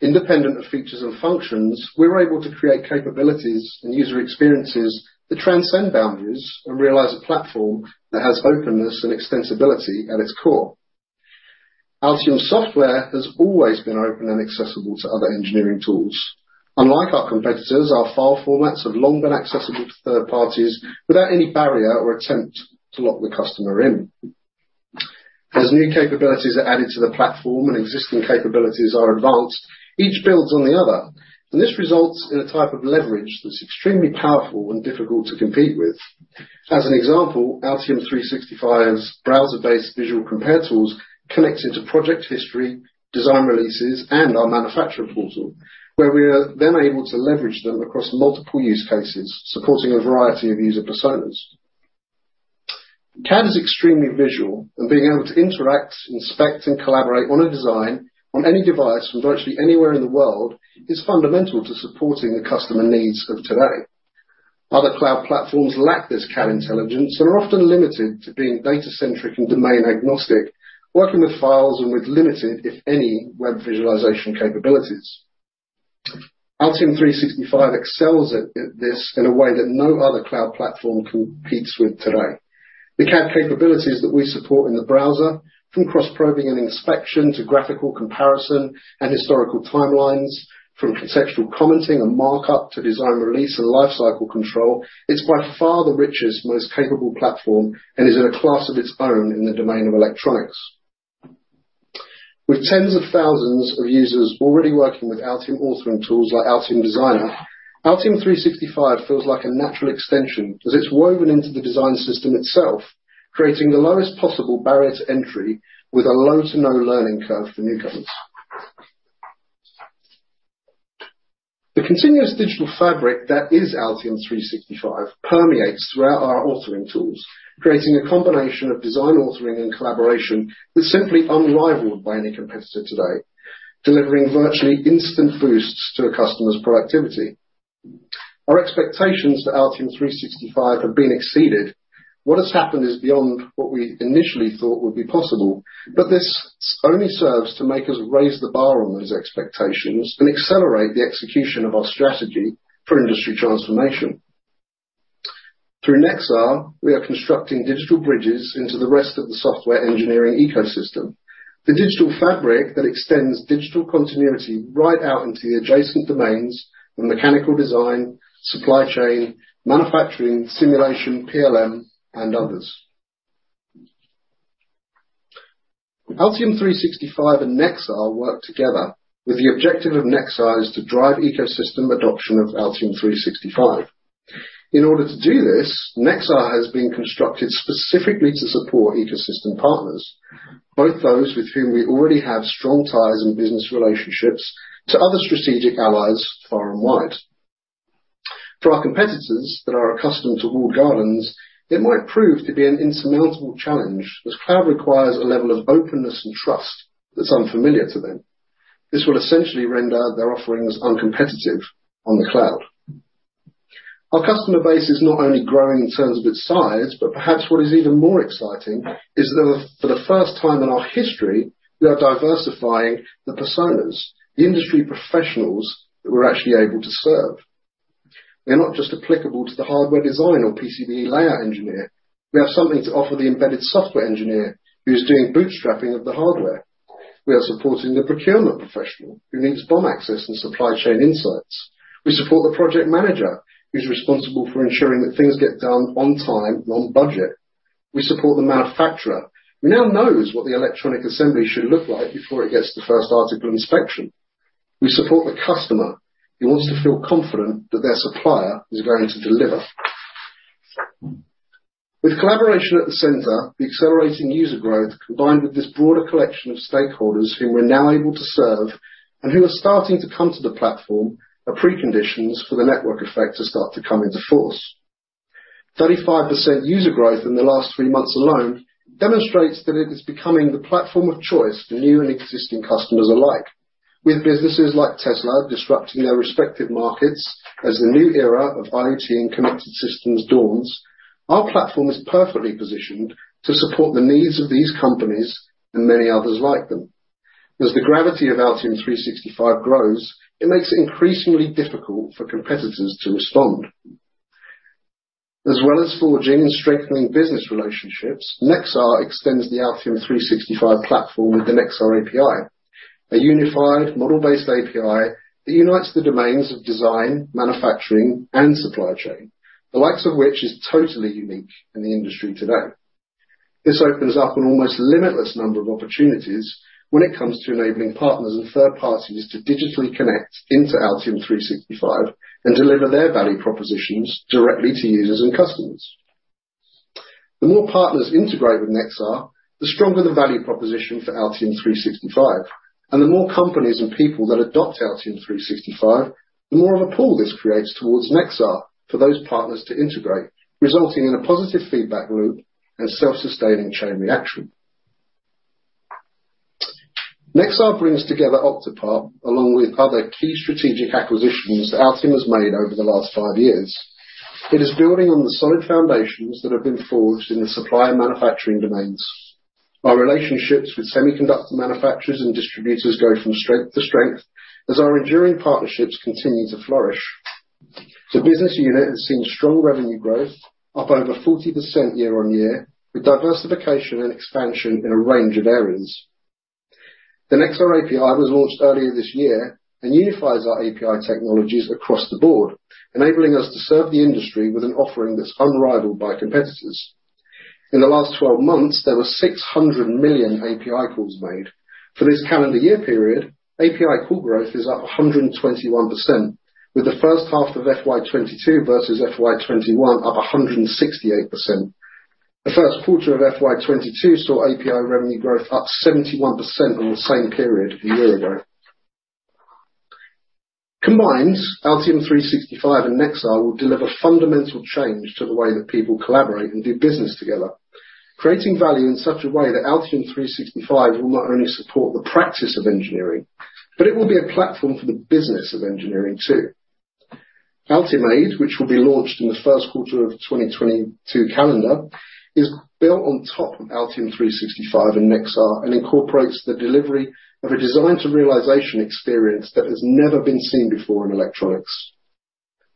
Independent of features and functions, we're able to create capabilities and user experiences that transcend boundaries and realize a platform that has openness and extensibility at its core. Altium software has always been open and accessible to other engineering tools. Unlike our competitors, our file formats have long been accessible to third parties without any barrier or attempt to lock the customer in. As new capabilities are added to the platform and existing capabilities are advanced, each builds on the other, and this results in a type of leverage that's extremely powerful and difficult to compete with. As an example, Altium 365's browser-based visual compare tools connects into project history, design releases, and our manufacturer portal, where we are then able to leverage them across multiple use cases, supporting a variety of user personas. CAD is extremely visual, and being able to interact, inspect, and collaborate on a design on any device from virtually anywhere in the world is fundamental to supporting the customer needs of today. Other cloud platforms lack this CAD intelligence and are often limited to being data-centric and domain-agnostic, working with files and with limited, if any, web visualization capabilities. Altium 365 excels at this in a way that no other cloud platform competes with today. The CAD capabilities that we support in the browser, from cross-probing and inspection to graphical comparison and historical timelines, from conceptual commenting and markup to design release and lifecycle control, it's by far the richest, most capable platform and is in a class of its own in the domain of electronics. With tens of thousands of users already working with Altium authoring tools like Altium Designer, Altium 365 feels like a natural extension as it's woven into the design system itself, creating the lowest possible barrier to entry with a low to no learning curve for newcomers. The continuous digital fabric that is Altium 365 permeates throughout our authoring tools, creating a combination of design authoring and collaboration that's simply unrivaled by any competitor today, delivering virtually instant boosts to a customer's productivity. Our expectations for Altium 365 have been exceeded. What has happened is beyond what we initially thought would be possible, but this only serves to make us raise the bar on those expectations and accelerate the execution of our strategy for industry transformation. Through Nexar, we are constructing digital bridges into the rest of the software engineering ecosystem, the digital fabric that extends digital continuity right out into the adjacent domains from mechanical design, supply chain, manufacturing, simulation, PLM, and others. Altium 365 and Nexar work together with the objective of Nexar is to drive ecosystem adoption of Altium 365. In order to do this, Nexar has been constructed specifically to support ecosystem partners, both those with whom we already have strong ties and business relationships to other strategic allies far and wide. For our competitors that are accustomed to walled gardens, it might prove to be an insurmountable challenge, as cloud requires a level of openness and trust that's unfamiliar to them. This will essentially render their offerings uncompetitive on the cloud. Our customer base is not only growing in terms of its size, but perhaps what is even more exciting is that for the first time in our history, we are diversifying the personas, the industry professionals that we're actually able to serve. They're not just applicable to the hardware design or PCB layout engineer. We have something to offer the embedded software engineer who's doing bootstrapping of the hardware. We are supporting the procurement professional who needs BOM access and supply chain insights. We support the project manager who's responsible for ensuring that things get done on time and on budget. We support the manufacturer who now knows what the electronic assembly should look like before it gets the first article inspection. We support the customer who wants to feel confident that their supplier is going to deliver. With collaboration at the center, the accelerating user growth, combined with this broader collection of stakeholders who we're now able to serve and who are starting to come to the platform, are preconditions for the network effect to start to come into force. 35% user growth in the last three months alone demonstrates that it is becoming the platform of choice for new and existing customers alike. With businesses like Tesla disrupting their respective markets as the new era of IoT and connected systems dawns, our platform is perfectly positioned to support the needs of these companies and many others like them. As the gravity of Altium 365 grows, it makes it increasingly difficult for competitors to respond. As well as forging and strengthening business relationships, Nexar extends the Altium 365 platform with the Nexar API. A unified model-based API that unites the domains of design, manufacturing, and supply chain, the likes of which is totally unique in the industry today. This opens up an almost limitless number of opportunities when it comes to enabling partners and third parties to digitally connect into Altium 365 and deliver their value propositions directly to users and customers. The more partners integrate with Nexar, the stronger the value proposition for Altium 365. The more companies and people that adopt Altium 365, the more of a pull this creates towards Nexar for those partners to integrate, resulting in a positive feedback loop and self-sustaining chain reaction. Nexar brings together Octopart along with other key strategic acquisitions that Altium has made over the last five years. It is building on the solid foundations that have been forged in the supply and manufacturing domains. Our relationships with semiconductor manufacturers and distributors go from strength to strength as our enduring partnerships continue to flourish. The business unit has seen strong revenue growth, up over 40% quarter-over-quarter, with diversification and expansion in a range of areas. The Nexar API was launched earlier this year and unifies our API technologies across the board, enabling us to serve the industry with an offering that's unrivaled by competitors. In the last twelve months, there were 600 million API calls made. For this calendar year period, API call growth is up 121%, with the H1 of FY 2022 versus FY 2021 up 168%. The Q1 of FY 2022 saw API revenue growth up 71% from the same period a year ago. Combined, Altium 365 and Nexar will deliver fundamental change to the way that people collaborate and do business together. Creating value in such a way that Altium 365 will not only support the practice of engineering, but it will be a platform for the business of engineering too. Altimade, which will be launched in the Q1 of 2022 calendar, is built on top of Altium 365 and Nexar and incorporates the delivery of a design to realization experience that has never been seen before in electronics.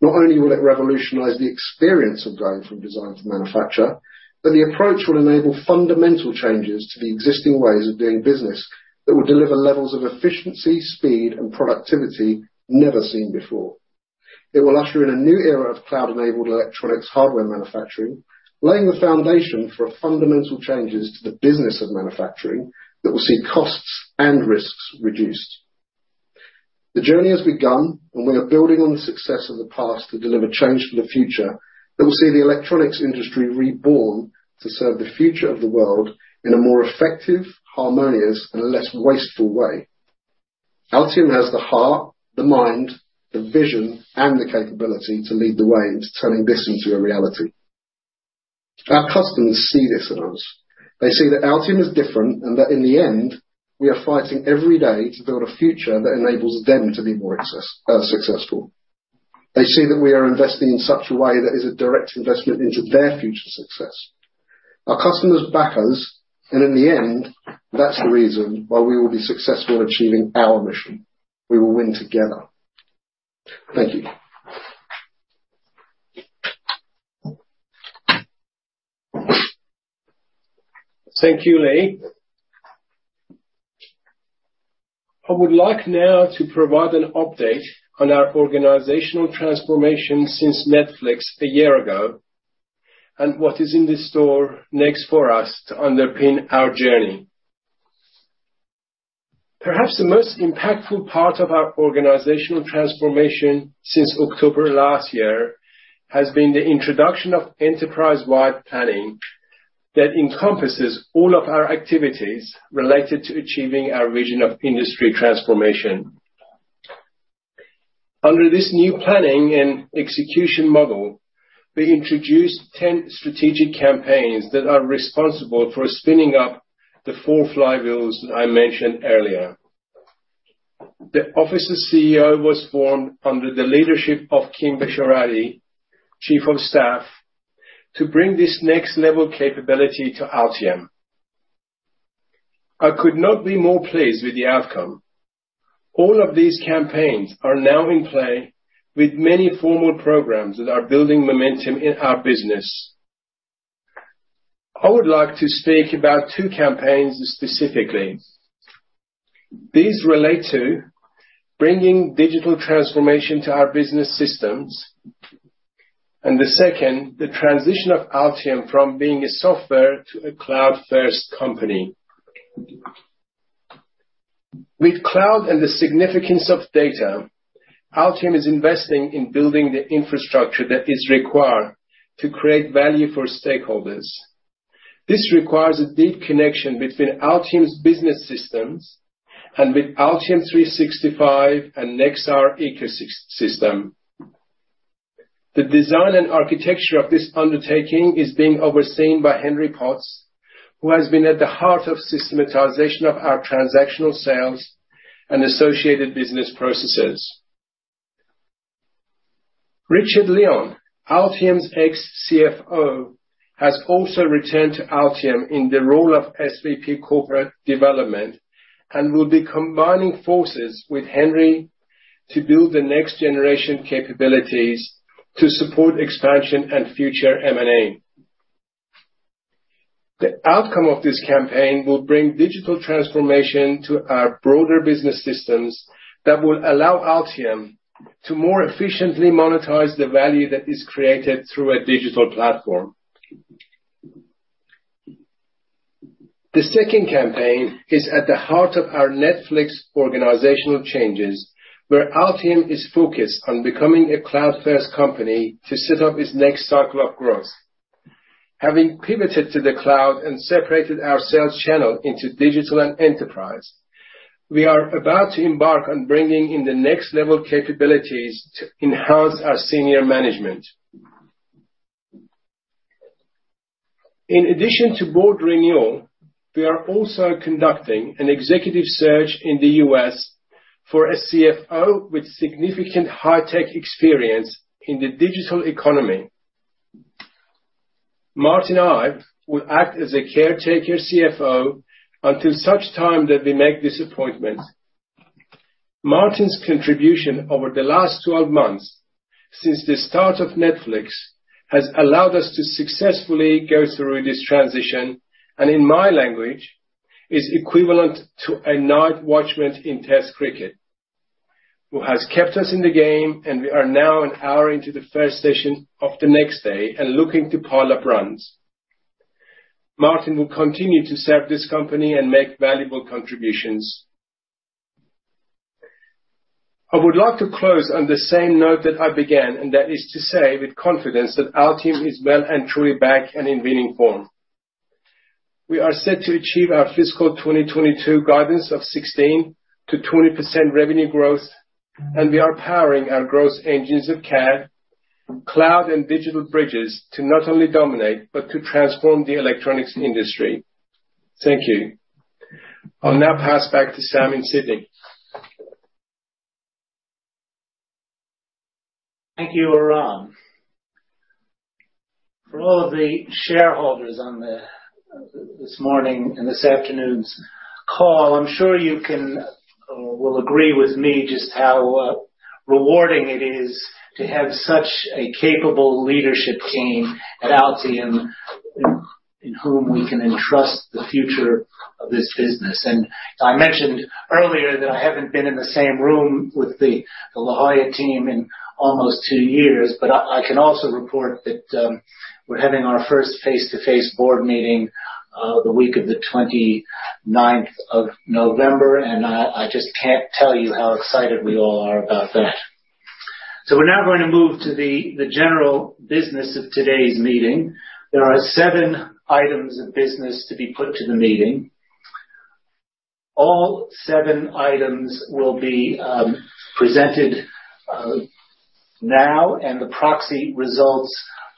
Not only will it revolutionize the experience of going from design to manufacture, but the approach will enable fundamental changes to the existing ways of doing business that will deliver levels of efficiency, speed, and productivity never seen before. It will usher in a new era of cloud-enabled electronics hardware manufacturing, laying the foundation for fundamental changes to the business of manufacturing that will see costs and risks reduced. The journey has begun, and we are building on the success of the past to deliver change for the future that will see the electronics industry reborn to serve the future of the world in a more effective, harmonious, and a less wasteful way. Our team has the heart, the mind, the vision, and the capability to lead the way into turning this into a reality. Our customers see this in us. They see that Altium is different, and that in the end, we are fighting every day to build a future that enables them to be more successful. They see that we are investing in such a way that is a direct investment into their future success. Our customers back us, and in the end, that's the reason why we will be successful in achieving our mission. We will win together. Thank you. Thank you, Leigh. I would like now to provide an update on our organizational transformation since Nexar a year ago, and what is in store next for us to underpin our journey. Perhaps the most impactful part of our organizational transformation since October last year has been the introduction of enterprise-wide planning that encompasses all of our activities related to achieving our vision of industry transformation. Under this new planning and execution model, we introduced 10 strategic campaigns that are responsible for spinning up the four flywheels that I mentioned earlier. The Office of CEO was formed under the leadership of Kim Besharati, Chief of Staff, to bring this next-level capability to Altium. I could not be more pleased with the outcome. All of these campaigns are now in play with many formal programs that are building momentum in our business. I would like to speak about two campaigns specifically. These relate to bringing digital transformation to our business systems, and the second, the transition of Altium from being a software to a cloud-first company. With cloud and the significance of data, Altium is investing in building the infrastructure that is required to create value for stakeholders. This requires a deep connection between Altium's business systems and with Altium 365 and Nexar ecosystem. The design and architecture of this undertaking is being overseen by Henry Potts, who has been at the heart of systematization of our transactional sales and associated business processes. Richard Leon, Altium's ex-CFO, has also returned to Altium in the role of SVP Corporate Development, and will be combining forces with Henry to build the next-generation capabilities to support expansion and future M&A. The outcome of this campaign will bring digital transformation to our broader business systems that will allow Altium to more efficiently monetize the value that is created through a digital platform. The second campaign is at the heart of our Netflix organizational changes, where Altium is focused on becoming a cloud-first company to set up its next cycle of growth. Having pivoted to the cloud and separated our sales channel into digital and enterprise, we are about to embark on bringing in the next-level capabilities to enhance our senior management. In addition to board renewal, we are also conducting an executive search in the U.S. for a CFO with significant high-tech experience in the digital economy. Martin Ive will act as a caretaker CFO until such time that we make this appointment. Martin's contribution over the last 12 months since the start of the fiscal year has allowed us to successfully go through this transition, and in my language, is equivalent to a night watchman in Test cricket, who has kept us in the game, and we are now an hour into the first session of the next day and looking to pile up runs. Martin will continue to serve this company and make valuable contributions. I would like to close on the same note that I began, and that is to say with confidence that Altium is well and truly back and in winning form. We are set to achieve our fiscal 2022 guidance of 16%-20% revenue growth, and we are powering our growth engines of CAD, cloud, and digital bridges to not only dominate but to transform the electronics industry. Thank you. I'll now pass back to Sam in Sydney. Thank you, Aram. For all of the shareholders on the this morning and this afternoon's call, I'm sure you will agree with me just how rewarding it is to have such a capable leadership team at Altium in whom we can entrust the future of this business. I mentioned earlier that I haven't been in the same room with the La Jolla team in almost two-years, but I can also report that we're having our first face-to-face board meeting the week of the 29th of November, and I just can't tell you how excited we all are about that. We're now going to move to the general business of today's meeting. There are seven items of business to be put to the meeting. All seven items will be presented now, and the proxy results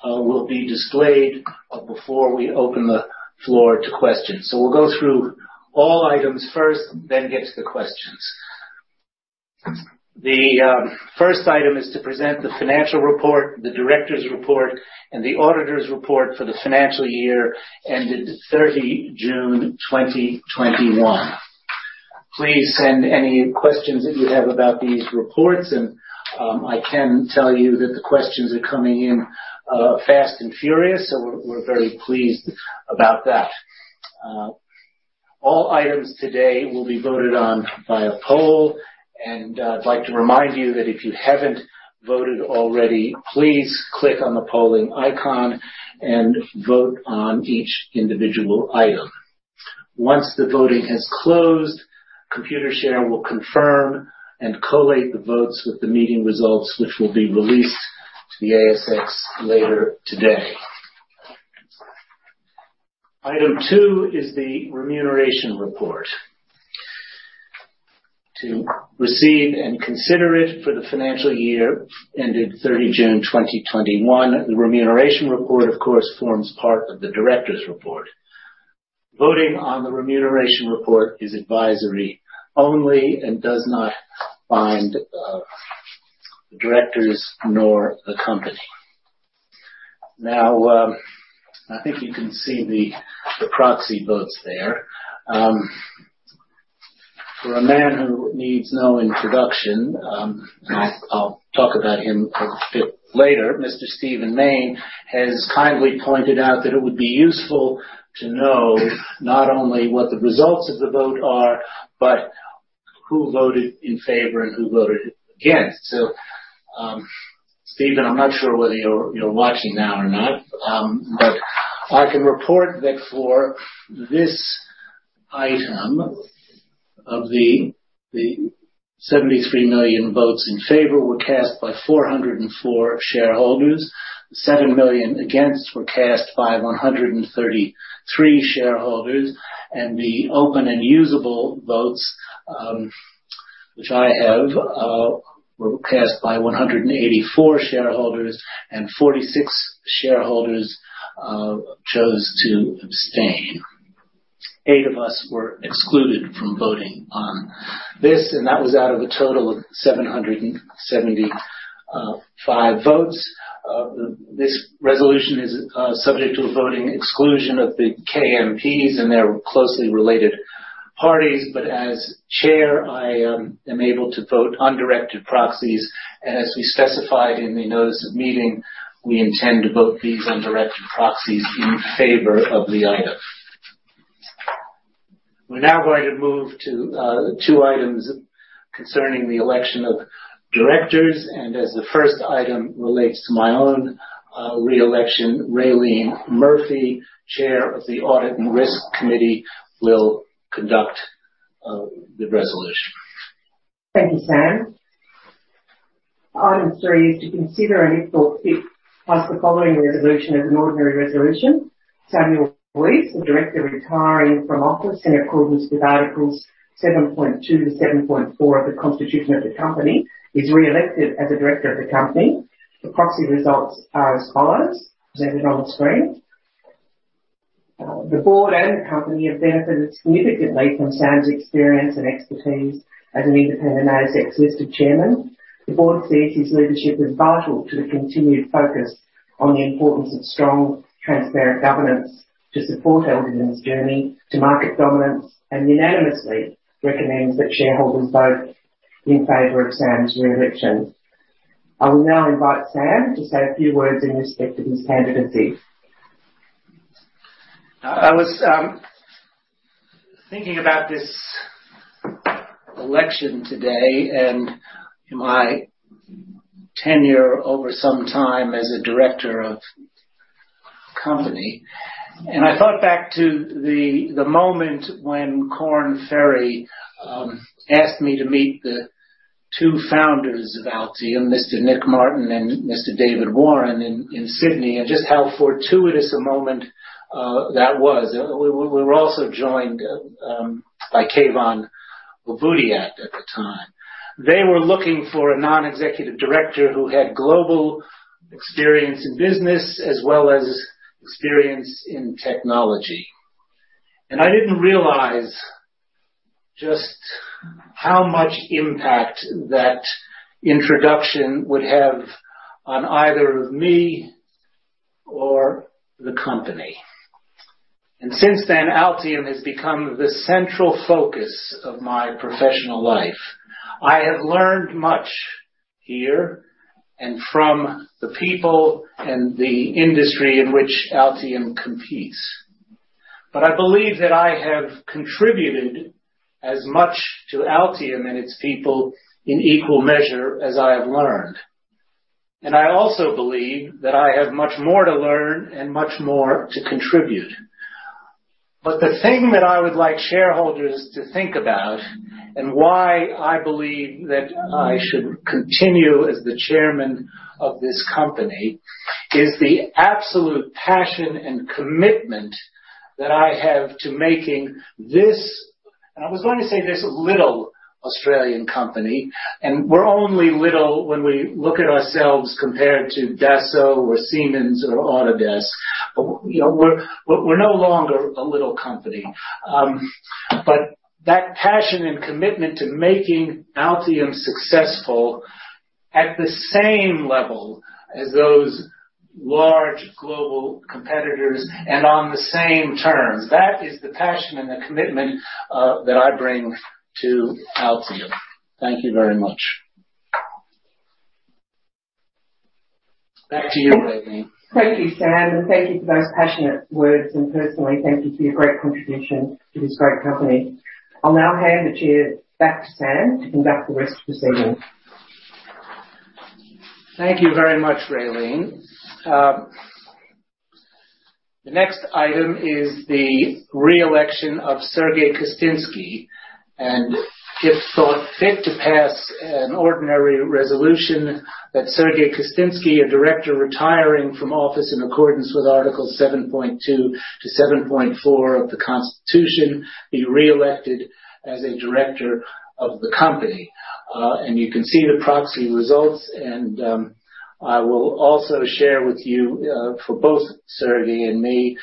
will be displayed before we open the floor to questions. We'll go through all items first, then get to the questions. The first item is to present the financial report, the director's report, and the auditor's report for the financial year ending 30 June 2021. Please send any questions that you have about these reports, and I can tell you that the questions are coming in fast and furious. We're very pleased about that. All items today will be voted on by a poll. I'd like to remind you that if you haven't voted already, please click on the polling icon and vote on each individual item. Once the voting has closed, Computershare will confirm and collate the votes with the meeting results, which will be released to the ASX later today. Item two is the remuneration report to receive and consider for the financial year ending 30 June 2021. The remuneration report, of course, forms part of the director's report. Voting on the remuneration report is advisory only and does not bind the directors nor the company. Now, I think you can see the proxy votes there. For a man who needs no introduction, I'll talk about him a bit later. Mr. Stephen Mayne has kindly pointed out that it would be useful to know not only what the results of the vote are, but who voted in favor and who voted against. Stephen, I'm not sure whether you're watching now or not, but I can report that for this item, the 73 million votes in favor were cast by 404 shareholders. Seven million against were cast by 133 shareholders, and the open and usable votes which I have were cast by 184 shareholders, and 46 shareholders chose to abstain. Eight of us were excluded from voting on this, and that was out of a total of 775 votes. This resolution is subject to a voting exclusion of the KMPs and their closely related parties. As Chair, I am able to vote undirected proxies. As we specified in the notice of meeting, we intend to vote these undirected proxies in favor of the item. We're now going to move to two items concerning the election of directors, and as the first item relates to my own re-election, Raelene Murphy, Chair of the Audit and Risk Committee, will conduct the resolution. Thank you, Sam. Item three is to consider and if thought fit, pass the following resolution as an ordinary resolution. Samuel Weiss, a director retiring from office in accordance with articles 7.2 to 7.4 of the constitution of the company, is re-elected as a director of the company. The proxy results are as follows, presented on the screen. The board and the company have benefited significantly from Sam's experience and expertise as an independent ASX-listed chairman. The board sees his leadership as vital to the continued focus on the importance of strong, transparent governance to support Altium's journey to market dominance, and unanimously recommends that shareholders vote in favor of Sam's re-election. I will now invite Sam to say a few words in respect of his candidacy. I was thinking about this election today and my tenure over some time as a director of company. I thought back to the moment when Corin Farry asked me to meet the two founders of Altium, Mr. Nick Martin and Mr. David Warren in Sydney, and just how fortuitous a moment that was. We were also joined by Keyvan Loubardiat at the time. They were looking for a non-executive director who had global experience in business as well as experience in technology. I didn't realize just how much impact that introduction would have on either me or the company. Since then, Altium has become the central focus of my professional life. I have learned much here and from the people and the industry in which Altium competes. I believe that I have contributed as much to Altium and its people in equal measure as I have learned. I also believe that I have much more to learn and much more to contribute. The thing that I would like shareholders to think about, and why I believe that I should continue as the chairman of this company, is the absolute passion and commitment that I have to making this. And I was going to say this little Australian company, and we're only little when we look at ourselves compared to Dassault or Siemens or Autodesk. We're no longer a little company. That passion and commitment to making Altium successful at the same level as those large global competitors and on the same terms, that is the passion and the commitment that I bring to Altium. Thank you very much. Back to you, Raelene. Thank you, Sam, and thank you for those passionate words. Personally, thank you for your great contribution to this great company. I'll now hand the chair back to Sam to conduct the rest of this evening. Thank you very much, Raelene. The next item is the re-election of Sergiy Kostynsky. If thought fit to pass an ordinary resolution that Sergiy Kostynsky, a director retiring from office in accordance with Article 7.2 to 7.4 of the Constitution, be re-elected as a director of the company. You can see the proxy results, and I will also share with you for both Sergiy and me,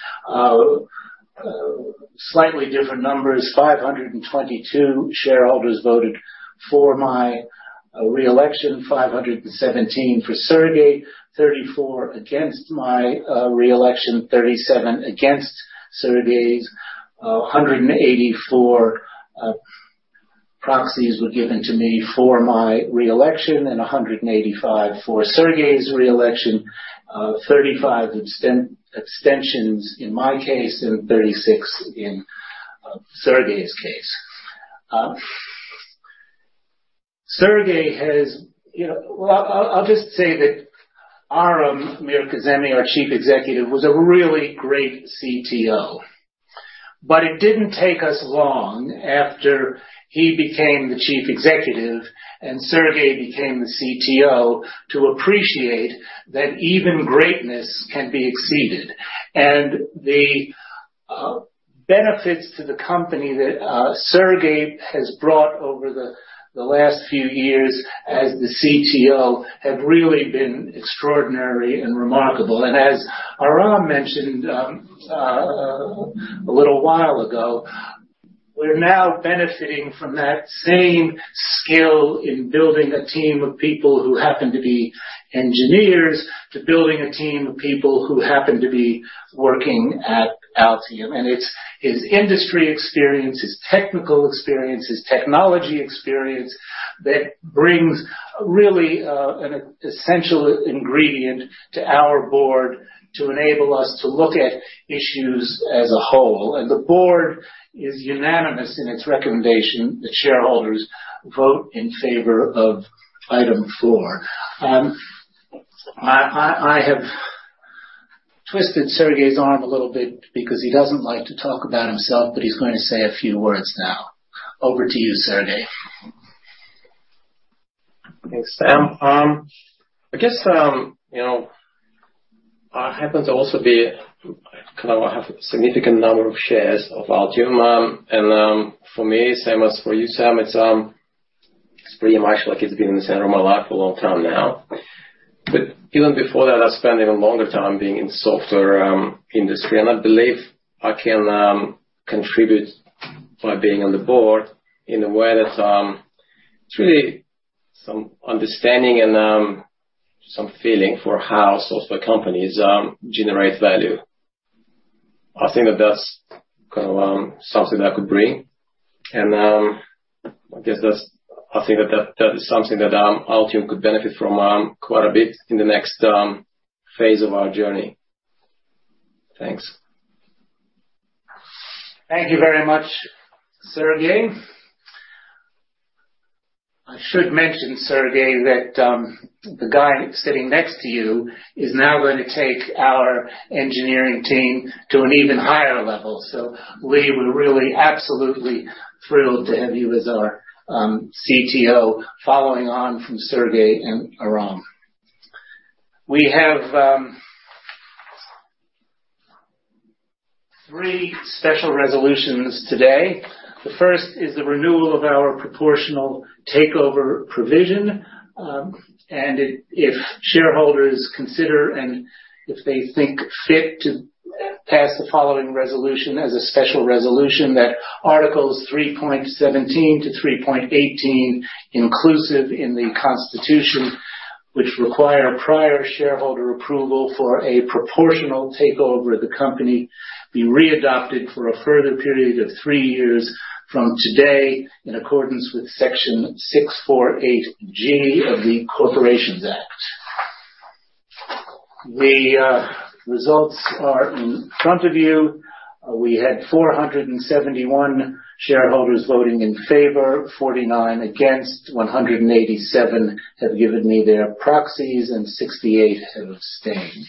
slightly different numbers. 522 shareholders voted for my re-election, 517 for Sergiy. 34 against my re-election. 37 against Sergiy's. 184 proxies were given to me for my re-election, and 185 for Sergiy's re-election. 35 abstentions in my case and 36 in Sergiy's case. Sergiy has, you know... Well, I'll just say that Aram Mirkazemi, our Chief Executive, was a really great CTO. It didn't take us long after he became the Chief Executive and Sergiy became the CTO to appreciate that even greatness can be exceeded. The benefits to the company that Sergiy has brought over the last few years as the CTO have really been extraordinary and remarkable. As Aram mentioned, a little while ago, we're now benefiting from that same skill in building a team of people who happen to be engineers, to building a team of people who happen to be working at Altium. It's his industry experience, his technical experience, his technology experience that brings really, an essential ingredient to our board to enable us to look at issues as a whole. The board is unanimous in its recommendation that shareholders vote in favor of Item four. I have twisted Sergiy's arm a little bit because he doesn't like to talk about himself, but he's going to say a few words now. Over to you, Sergiy. Thanks, Sam. I guess you know I happen to also be kind of have a significant number of shares of Altium. For me, same as for you, Sam, it's pretty much like it's been in the center of my life a long-time now. But even before that, I spent even longer time being in software industry. I believe I can contribute by being on the board in a way that it's really some understanding and some feeling for how software companies generate value. I think that that's kinda something I could bring. I think that is something that Altium could benefit from quite a bit in the next phase of our journey. Thanks. Thank you very much, Sergiy. I should mention, Sergiy, that the guy sitting next to you is now going to take our engineering team to an even higher level. We were really absolutely thrilled to have you as our CTO, following on from Sergiy and Aram. We have three special resolutions today. The first is the renewal of our proportional takeover provision. If shareholders consider, and if they think fit to pass the following resolution as a special resolution, that articles 3.17 to 3.18 inclusive in the Constitution, which require prior shareholder approval for a proportional takeover of the company, be readopted for a further period of three years from today in accordance with Section 648G of the Corporations Act. The results are in front of you. We had 471 shareholders voting in favor, 49 against, 187 have given me their proxies, and 68 have abstained.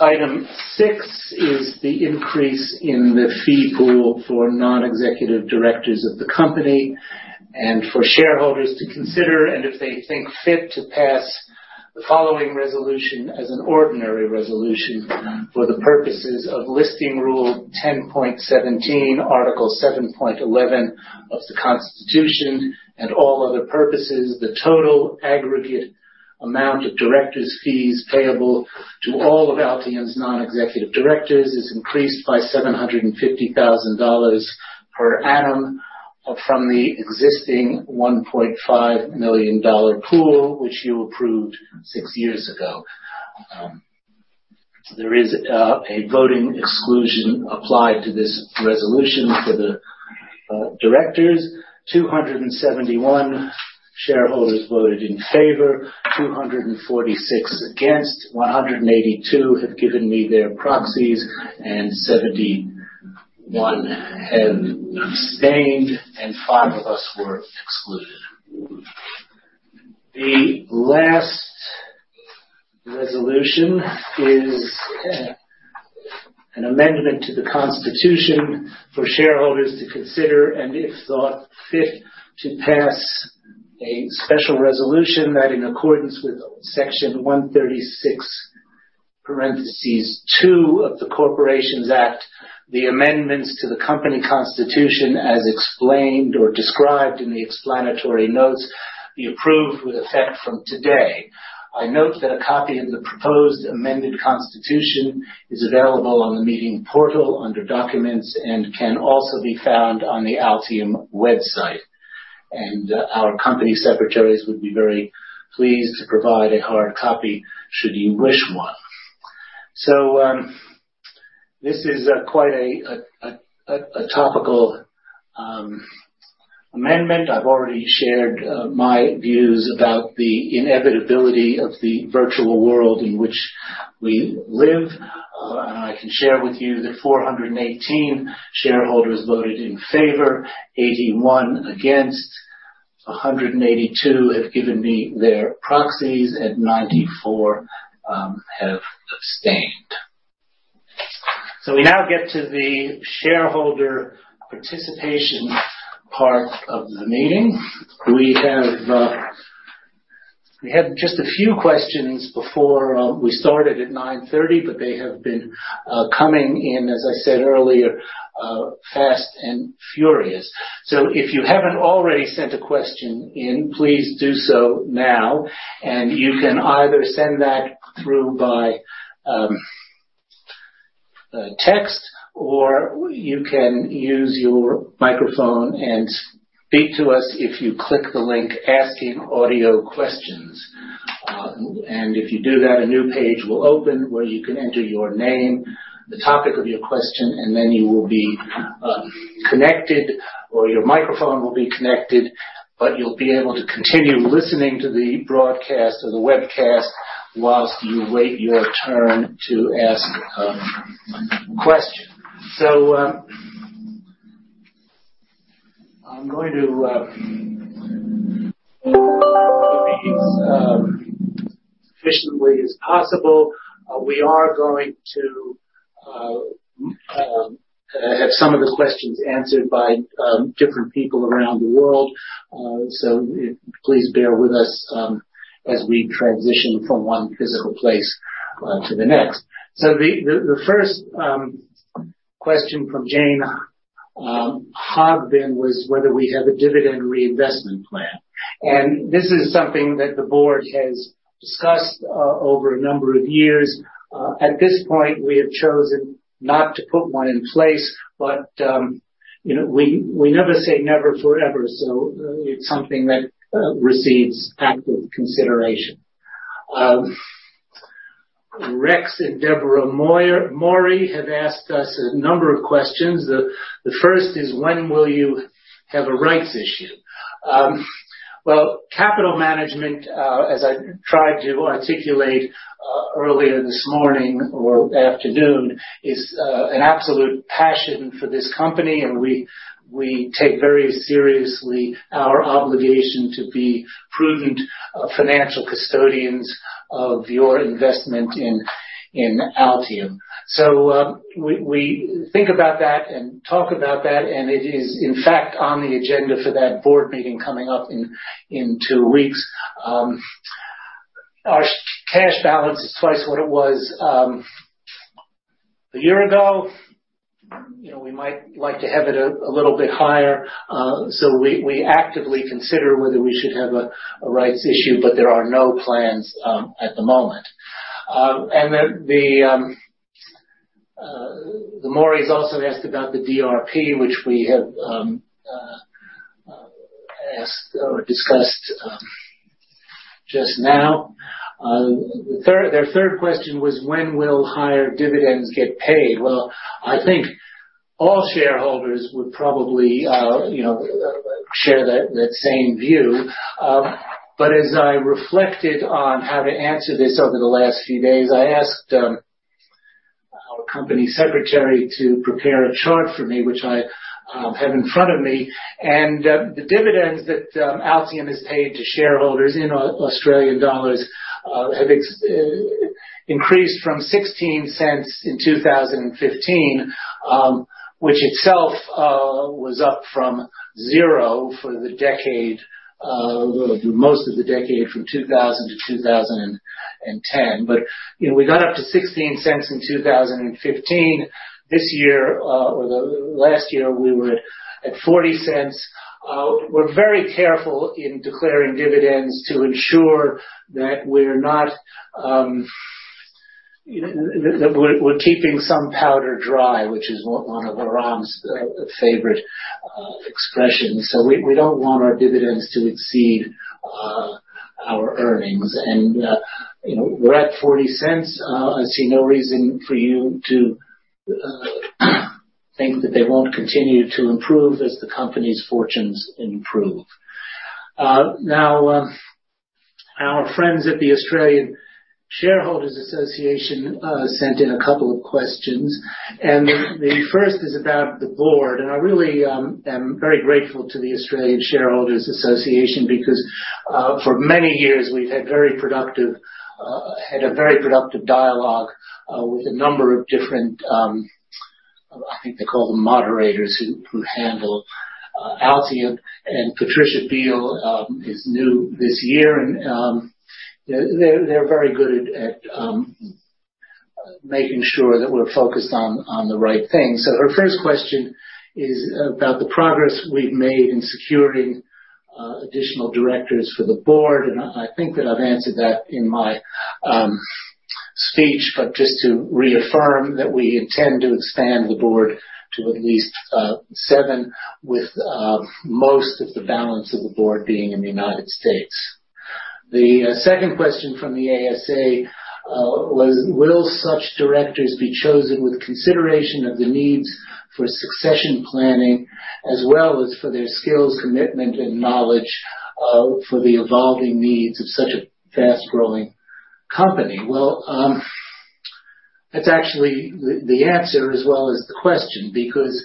Item 6 is the increase in the fee pool for non-executive directors of the company and for shareholders to consider, and if they think fit to pass the following resolution as an ordinary resolution for the purposes of Listing Rule 10.17, Article 7.11 of the Constitution and all other purposes. The total aggregate amount of directors' fees payable to all of Altium's non-executive directors is increased by 750,000 dollars per annum from the existing 1.5 million dollar pool, which you approved six years ago. There is a voting exclusion applied to this resolution for the directors. 271 shareholders voted in favor, 246 against, 182 have given me their proxies, and 71 have abstained, and five of us were excluded. The last resolution is an amendment to the Constitution for shareholders to consider, and if thought fit, to pass a special resolution that in accordance with Section 136(2) of the Corporations Act, the amendments to the company constitution, as explained or described in the explanatory notes, be approved with effect from today. I note that a copy of the proposed amended constitution is available on the meeting portal under Documents and can also be found on the Altium website. Our company secretaries would be very pleased to provide a hard copy should you wish one. This is quite a topical amendment. I've already shared my views about the inevitability of the virtual world in which we live. I can share with you that 418 shareholders voted in favor, 81 against, 182 have given me their proxies, and 94 have abstained. We now get to the shareholder participation part of the meeting. We had just a few questions before we started at 9:30 A.M., but they have been coming in, as I said earlier, fast and furious. If you haven't already sent a question in, please do so now, and you can either send that through by text, or you can use your microphone and speak to us if you click the link Asking Audio Questions. If you do that, a new page will open where you can enter your name, the topic of your question, and then you will be connected or your microphone will be connected, but you'll be able to continue listening to the broadcast or the webcast while you wait your turn to ask a question. I'm going to do these as efficiently as possible. We are going to have some of the questions answered by different people around the world. Please bear with us as we transition from one physical place to the next. The first question from Jane Hogben was whether we have a dividend reinvestment plan. This is something that the board has discussed over a number of years. At this point, we have chosen not to put one in place, but, you know, we never say never forever. It's something that receives active consideration. Rex and Deborah Maury have asked us a number of questions. The first is when will you have a rights issue? Well, capital management, as I tried to articulate, earlier this morning or afternoon, is an absolute passion for this company, and we take very seriously our obligation to be prudent financial custodians of your investment in Altium. We think about that and talk about that, and it is, in fact, on the agenda for that board meeting coming up in two weeks. Our cash balance is twice what it was a year ago. You know, we might like to have it a little bit higher. We actively consider whether we should have a rights issue, but there are no plans at the moment. Then the Maurys also asked about the DRP, which we have asked or discussed just now. Their third question was when will higher dividends get paid? Well, I think all shareholders would probably you know share that same view. As I reflected on how to answer this over the last few days, I asked Company Secretary to prepare a chart for me, which I have in front of me. The dividends that Altium has paid to shareholders in Australian dollars have increased from 0.16 in 2015, which itself was up from 0 for the decade, well most of the decade from 2000 to 2010. You know, we got up to 0.16 in 2015. This year, or the last year we were at 0.40. We're very careful in declaring dividends to ensure that we're not, you know, that we're keeping some powder dry, which is one of Aram's favorite expressions. We don't want our dividends to exceed our earnings. You know, we're at 0.40. I see no reason for you to think that they won't continue to improve as the company's fortunes improve. Now, our friends at the Australian Shareholders' Association sent in a couple of questions, and the first is about the board. I really am very grateful to the Australian Shareholders' Association because for many years, we've had a very productive dialogue with a number of different, I think they call them, moderators who handle Altium. Patricia Beale is new this year. They're very good at making sure that we're focused on the right things. Her first question is about the progress we've made in securing additional directors for the board, and I think that I've answered that in my speech. Just to reaffirm that we intend to expand the board to at least seven with most of the balance of the board being in the United States. The second question from the ASA was, "Will such directors be chosen with consideration of the needs for succession planning as well as for their skills, commitment, and knowledge for the evolving needs of such a fast-growing company?" That's actually the answer as well as the question, because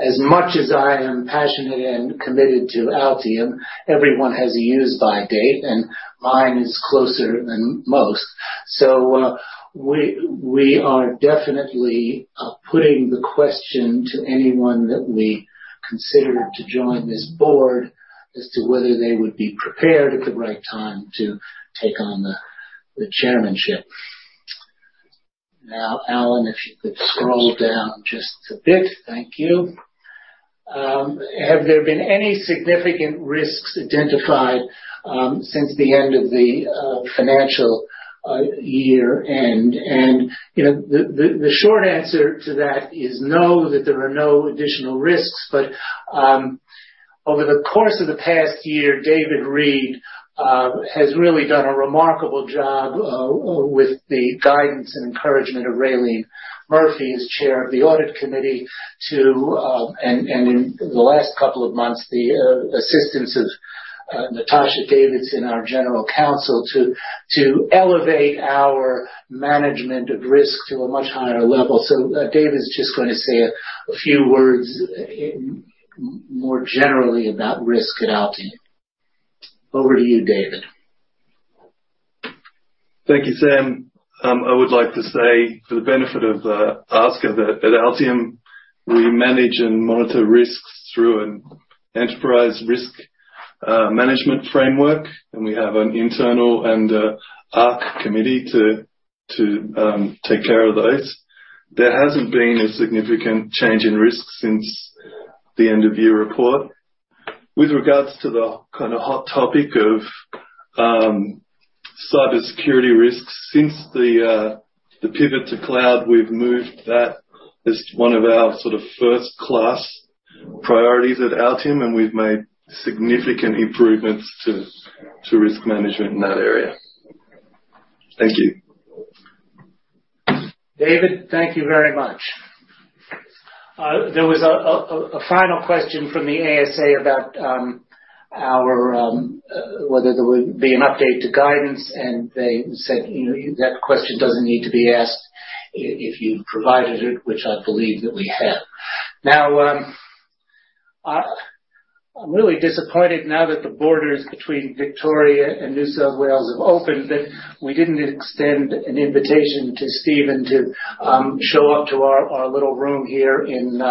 as much as I am passionate and committed to Altium, everyone has a use-by date, and mine is closer than most. We are definitely putting the question to anyone that we consider to join this board as to whether they would be prepared at the right time to take on the chairmanship. Now, Alan, if you could scroll down just a bit. Thank you. Have there been any significant risks identified since the end of the financial year-end? You know, the short answer to that is no, that there are no additional risks. Over the course of the past year, David Read has really done a remarkable job with the guidance and encouragement of Raelene Murphy as chair of the audit committee and in the last couple of months, the assistance of Natasha Davidson and our general counsel to elevate our management of risk to a much higher level. David's just going to say a few words more generally about risk at Altium. Over to you, David. Thank you, Sam. I would like to say for the benefit of ASA that at Altium, we manage and monitor risks through an enterprise risk management framework, and we have an internal audit and risk committee to take care of those. There hasn't been a significant change in risk since the end-of-year report. With regards to the kinda hot topic of cybersecurity risks, since the pivot to cloud, we've moved that as one of our sort of first-class priorities at Altium, and we've made significant improvements to risk management in that area. Thank you. David, thank you very much. There was a final question from the ASA about whether there would be an update to guidance, and they said, you know, that question doesn't need to be asked if you provided it, which I believe that we have. Now, I'm really disappointed now that the borders between Victoria and New South Wales have opened, that we didn't extend an invitation to Stephen Mayne to show up to our little room here in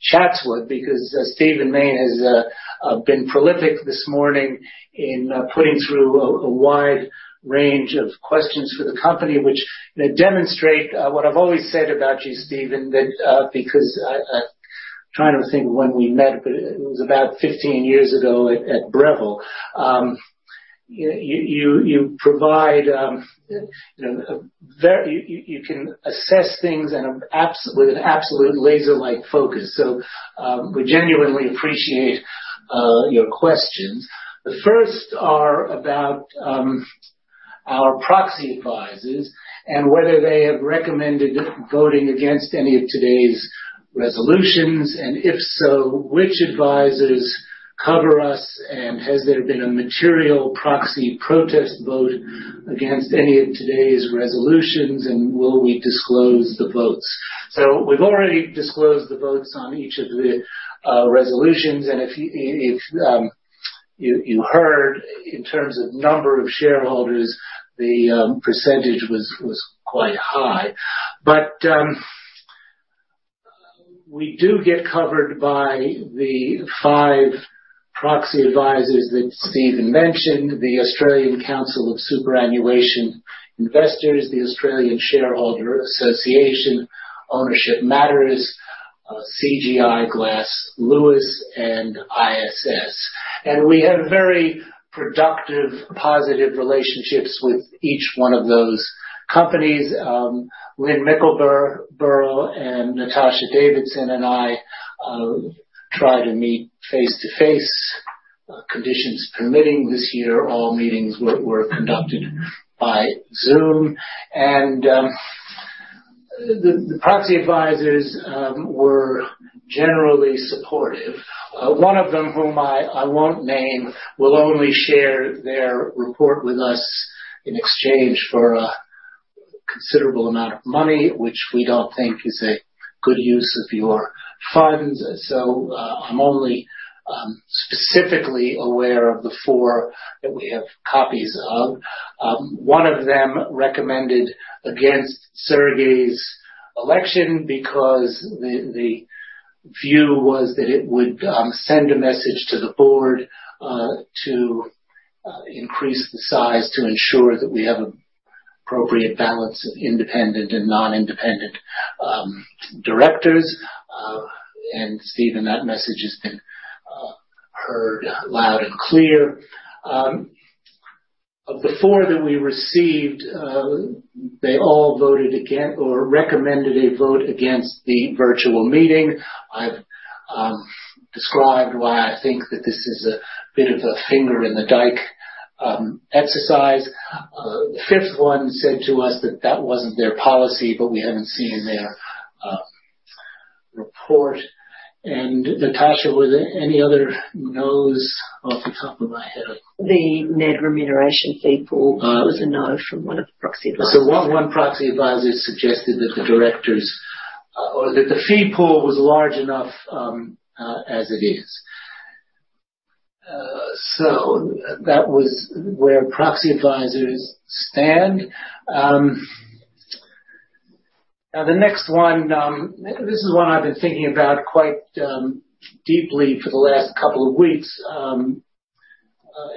Chatswood, because Stephen Mayne has been prolific this morning in putting through a wide range of questions for the company which, you know, demonstrate what I've always said about you, Stephen Mayne. That because I trying to think of when we met, but it was about 15 years ago at Breville. You can assess things with an absolute laser-like focus. We genuinely appreciate your questions. The first are about our proxy advisors and whether they have recommended voting against any of today's resolutions, and if so, which advisors cover us, and has there been a material proxy protest vote against any of today's resolutions, and will we disclose the votes? We've already disclosed the votes on each of the resolutions. If you heard in terms of number of shareholders, the percentage was quite high. We do get covered by the five proxy advisors that Steven mentioned, the Australian Council of Superannuation Investors, the Australian Shareholders' Association, Ownership Matters, CGI Glass Lewis, and ISS. We have very productive, positive relationships with each one of those companies. Lynn Mickleburgh and Natasha Davidson and I try to meet face to face, conditions permitting. This year, all meetings were conducted by Zoom. The proxy advisors were generally supportive. One of them, whom I won't name, will only share their report with us in exchange for a considerable amount of money, which we don't think is a good use of your funds. I'm only specifically aware of the four that we have copies of. One of them recommended against Sergiy's election because the view was that it would send a message to the board to increase the size to ensure that we have appropriate balance of independent and non-independent directors. Steven, that message has been heard loud and clear. Of the four that we received, they all voted against or recommended a vote against the virtual meeting. I've described why I think that this is a bit of a finger in the dike exercise. The fifth one said to us that that wasn't their policy, but we haven't seen their report. Natasha, were there any other no's off the top of my head? The net remuneration fee pool. Uh. It was a no from one of the proxy advisors. One proxy advisor suggested that the directors, or that the fee pool was large enough, as it is. That was where proxy advisors stand. Now the next one, this is one I've been thinking about quite deeply for the last couple of weeks,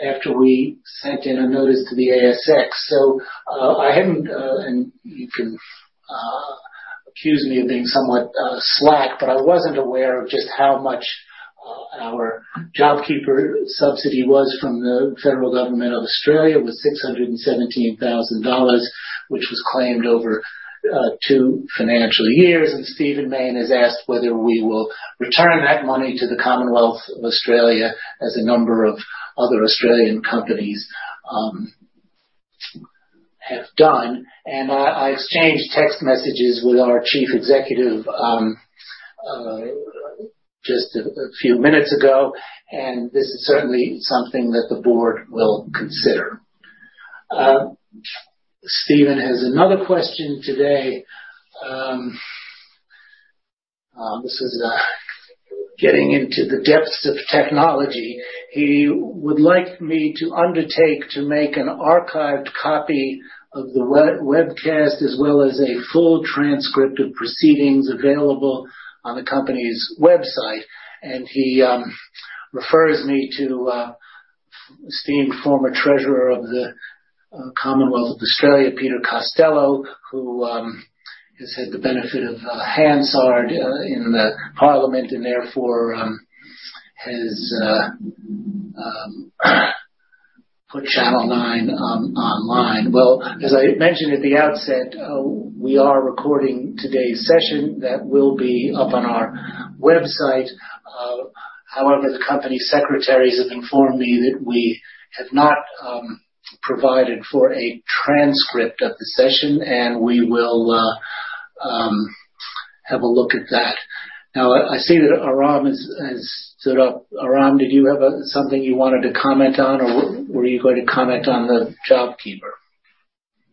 after we sent in a notice to the ASX. I hadn't, and you can accuse me of being somewhat slack, but I wasn't aware of just how much our JobKeeper subsidy was from the federal government of Australia. It was 617,000 dollars, which was claimed over two financial years. Stephen Mayne has asked whether we will return that money to the Commonwealth of Australia as a number of other Australian companies have done. I exchanged text messages with our chief executive, just a few minutes ago, and this is certainly something that the board will consider. Steven has another question today. This is getting into the depths of technology. He would like me to undertake to make an archived copy of the webcast as well as a full transcript of proceedings available on the company's website. He refers me to esteemed Former Treasurer of the Commonwealth of Australia, Peter Costello, who has had the benefit of Hansard in the parliament and therefore has put Nine Network online. Well, as I mentioned at the outset, we are recording today's session. That will be up on our website. However, the company secretaries have informed me that we have not provided for a transcript of the session, and we will have a look at that. Now, I see that Aram has stood up. Aram, did you have something you wanted to comment on, or were you going to comment on the JobKeeper?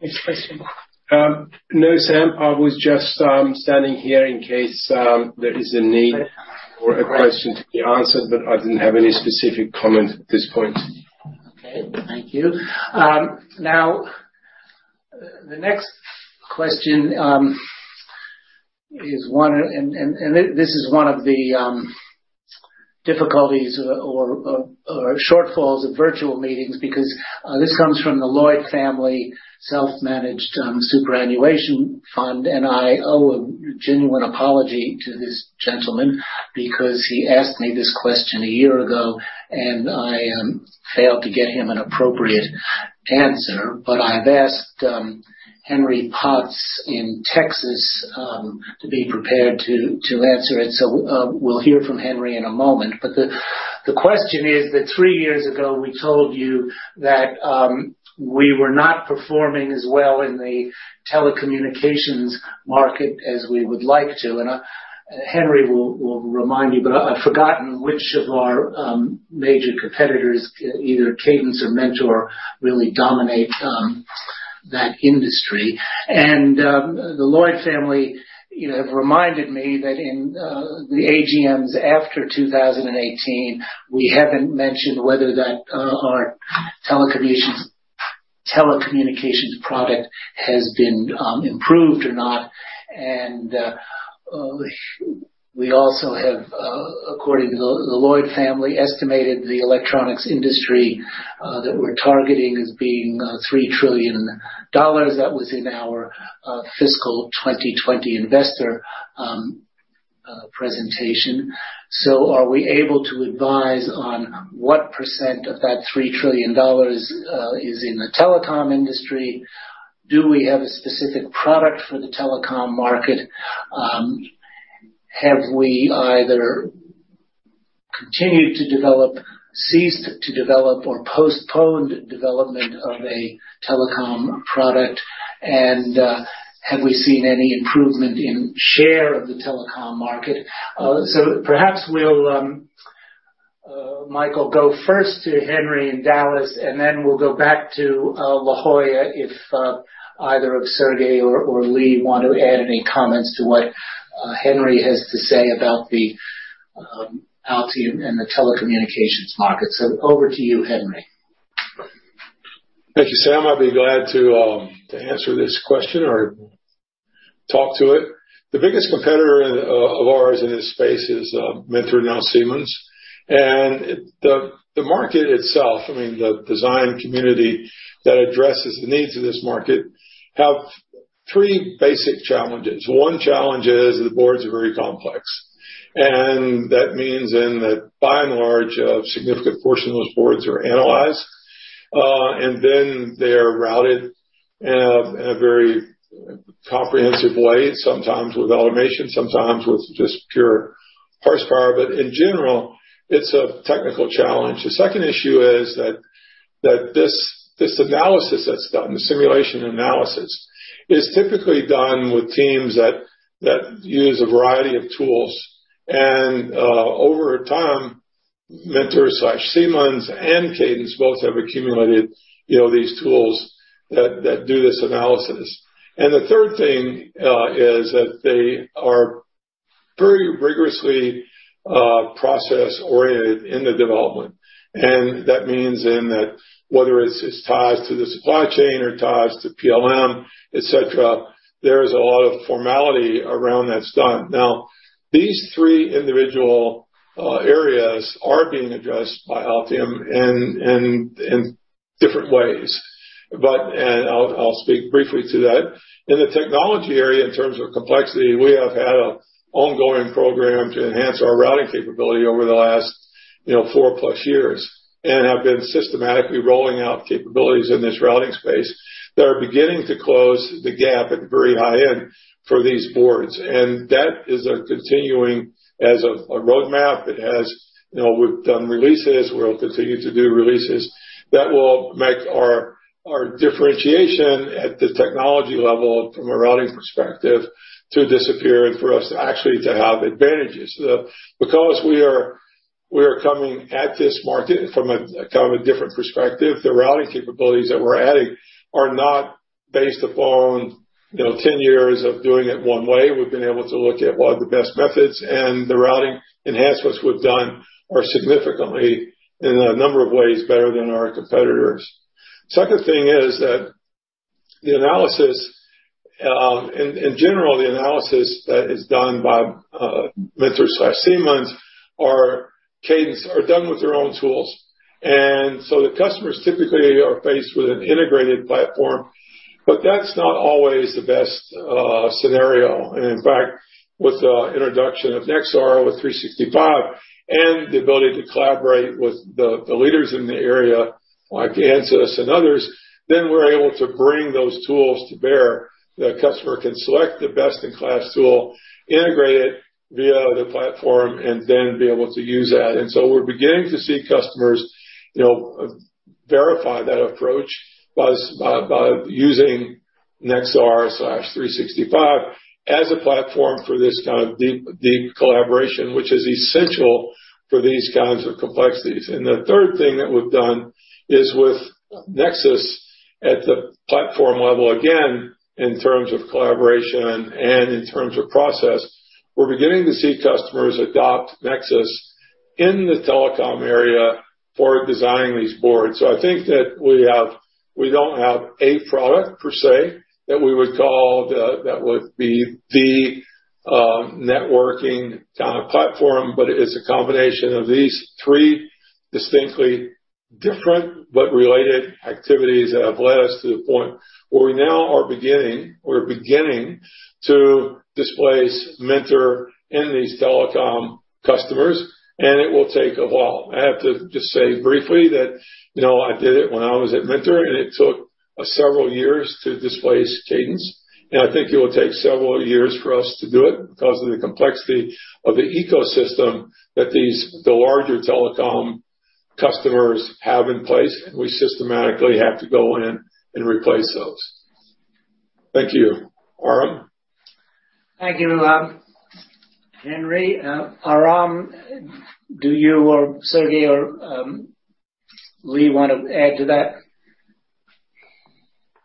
Yes, please. No, Sam. I was just standing here in case there is a need or a question to be answered, but I didn't have any specific comment at this point. Okay. Thank you. Now, the next question is one of the difficulties or shortfalls of virtual meetings because this comes from the Lloyd Family Self-Managed Superannuation Fund, and I owe a genuine apology to this gentleman because he asked me this question a year ago, and I failed to get him an appropriate answer. I've asked Henry Potts in Texas to be prepared to answer it. We'll hear from Henry in a moment. The question is that three years ago, we told you that we were not performing as well in the telecommunications market as we would like to, and Henry will remind me, but I've forgotten which of our major competitors, either Cadence or Mentor, really dominate that industry. The Lloyd family, you know, have reminded me that in the AGMs after 2018, we haven't mentioned whether our telecommunications product has been improved or not. We also have, according to the Lloyd family, estimated the electronics industry that we're targeting as being $3 trillion. That was in our fiscal 2020 investor presentation. Are we able to advise on what percent of that $3 trillion is in the telecom industry? Do we have a specific product for the telecom market? Have we either continued to develop, ceased to develop, or postponed development of a telecom product? Have we seen any improvement in share of the telecom market? Perhaps we'll, Michael, go first to Henry in Dallas, and then we'll go back to La Jolla if either Sergiy or Lee want to add any comments to what Henry has to say about the Altium and the telecommunications market. Over to you, Henry. Thank you, Sam. I'll be glad to to answer this question or talk to it. The biggest competitor of ours in this space is Mentor, now Siemens. The market itself, I mean, the design community that addresses the needs of this market, have three basic challenges. One challenge is the boards are very complex. That means then that by and large, a significant portion of those boards are analyzed and then they're routed in a in a very comprehensive way, sometimes with automation, sometimes with just pure horsepower. In general, it's a technical challenge. The second issue is that this analysis that's done, the simulation analysis, is typically done with teams that use a variety of tools. Over time, Mentor/Siemens and Cadence both have accumulated, you know, these tools that do this analysis. The third thing is that they are very rigorously process-oriented in the development. That means then that whether it's tied to the supply chain or tied to PLM, et cetera, there is a lot of formality around that's done. Now, these three individual areas are being addressed by Altium in different ways. I'll speak briefly to that. In the technology area, in terms of complexity, we have had an ongoing program to enhance our routing capability over the last, you know, four-plus years, and have been systematically rolling out capabilities in this routing space that are beginning to close the gap at the very high end for these boards. That is continuing as a roadmap. It has, you know, we've done releases, we'll continue to do releases that will make our differentiation at the technology level from a routing perspective to disappear and for us to actually have advantages. Because we are coming at this market from a kind of a different perspective, the routing capabilities that we're adding are not based upon, you know, 10 years of doing it one way. We've been able to look at what are the best methods, and the routing enhancements we've done are significantly, in a number of ways, better than our competitors. Second thing is that the analysis in general, the analysis that is done by Mentor/Siemens or Cadence are done with their own tools. The customers typically are faced with an integrated platform, but that's not always the best scenario. In fact, with the introduction of Nexar with 365 and the ability to collaborate with the leaders in the area, like Ansys and others, then we're able to bring those tools to bear. The customer can select the best-in-class tool, integrate it via the platform, and then be able to use that. We're beginning to see customers, you know, verify that approach by using Nexar/365 as a platform for this kind of deep collaboration, which is essential for these kinds of complexities. The third thing that we've done is with NEXUS at the platform level, again, in terms of collaboration and in terms of process, we're beginning to see customers adopt NEXUS in the telecom area for designing these boards. I think that we don't have a product per se that we would call the networking kind of platform, but it is a combination of these three distinctly different but related activities that have led us to the point where we're beginning to displace Mentor in these telecom customers, and it will take a while. I have to just say briefly that, you know, I did it when I was at Mentor, and it took several years to displace Cadence, and I think it will take several years for us to do it 'cause of the complexity of the ecosystem that the larger telecom customers have in place. We systematically have to go in and replace those. Thank you. Aram? Thank you, Henry. Aram, do you or Sergiy or Lee wanna add to that?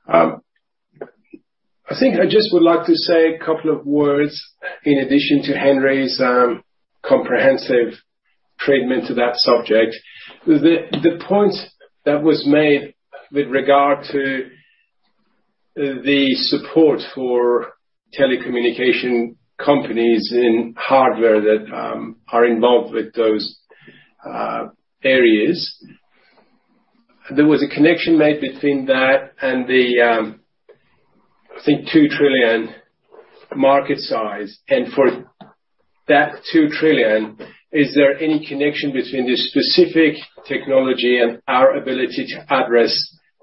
I think I just would like to say a couple of words in addition to Henry's comprehensive treatment to that subject. The point that was made with regard to the support for telecommunication companies in hardware that are involved with those areas. There was a connection made between that and the I think $2 trillion market size. For that $2 trillion, is there any connection between the specific technology and our ability to address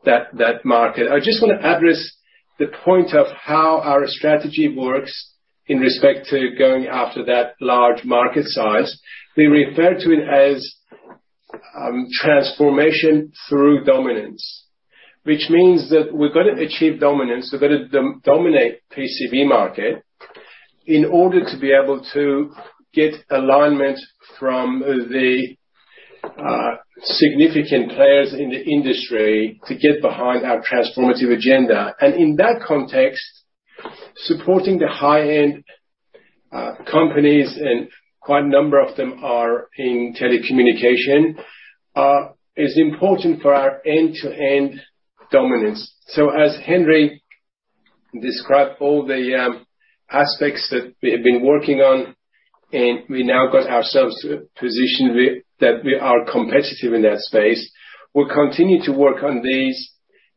that market? I just wanna address the point of how our strategy works in respect to going after that large market size. We refer to it as transformation through dominance. Which means that we've gotta achieve dominance. We've gotta dominate PCB market in order to be able to get alignment from the significant players in the industry to get behind our transformative agenda. In that context, supporting the high-end companies, and quite a number of them are in telecommunication, is important for our end-to-end dominance. As Henry described all the aspects that we have been working on, and we now got ourselves to a position that we are competitive in that space, we'll continue to work on these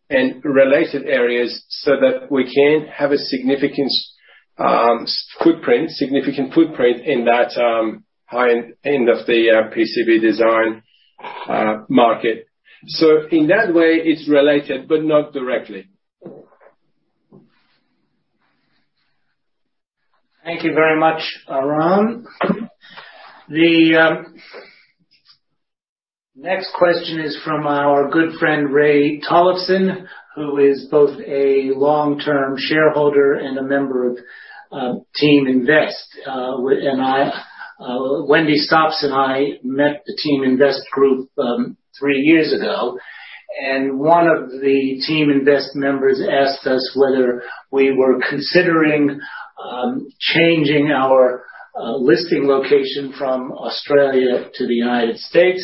and related areas so that we can have a significant footprint in that high-end end of the PCB design market. In that way, it's related, but not directly. Thank you very much, Aram. The next question is from our good friend, Ray Tollefson, who is both a long-term shareholder and a member of TeamInvest. Wendy Stops and I met the TeamInvest group three years ago. One of the TeamInvest members asked us whether we were considering changing our listing location from Australia to the United States.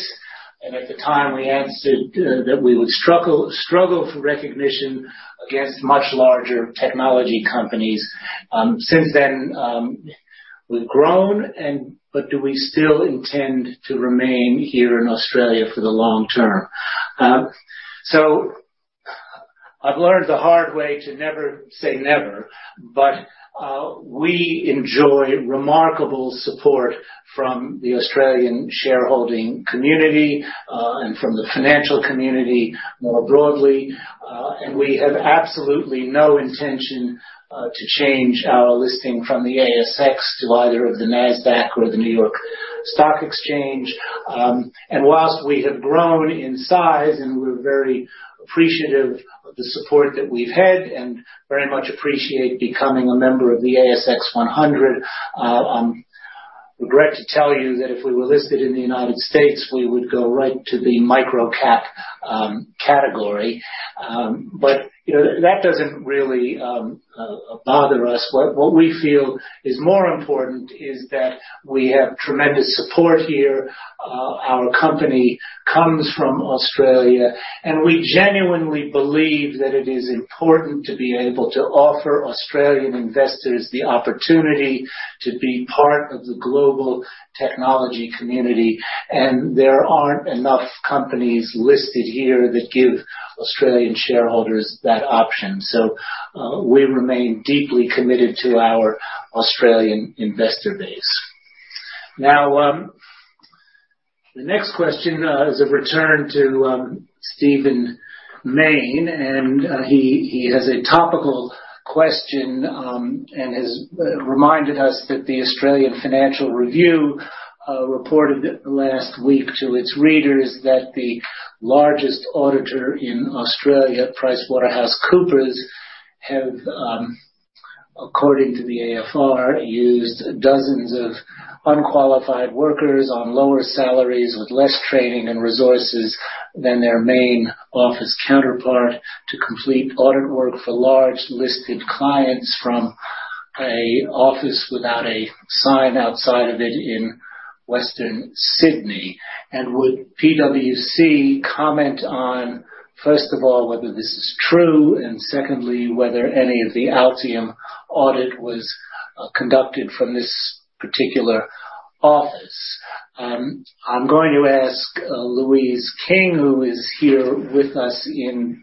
At the time, we answered that we would struggle for recognition against much larger technology companies. Since then, we've grown but do we still intend to remain here in Australia for the long-term? I've learned the hard way to never say never, but we enjoy remarkable support from the Australian shareholding community and from the financial community more broadly. We have absolutely no intention to change our listing from the ASX to either of the Nasdaq or the New York Stock Exchange. While we have grown in size, and we're very appreciative of the support that we've had, and very much appreciate becoming a member of the ASX 100, regret to tell you that if we were listed in the United States, we would go right to the micro-cap category. You know, that doesn't really bother us. What we feel is more important is that we have tremendous support here. Our company comes from Australia, and we genuinely believe that it is important to be able to offer Australian investors the opportunity to be part of the global technology community. There aren't enough companies listed here that give Australian shareholders that option. We remain deeply committed to our Australian investor base. Now, the next question is a return to Stephen Mayne, and he has a topical question, and has reminded us that The Australian Financial Review reported last week to its readers that the largest auditor in Australia, PricewaterhouseCoopers, have, according to the AFR, used dozens of unqualified workers on lower salaries with less training and resources than their main office counterpart to complete audit work for large listed clients from an office without a sign outside of it in Western Sydney. Would PWC comment on, first of all, whether this is true, and secondly, whether any of the Altium audit was conducted from this particular office? I'm going to ask Louise King, who is here with us in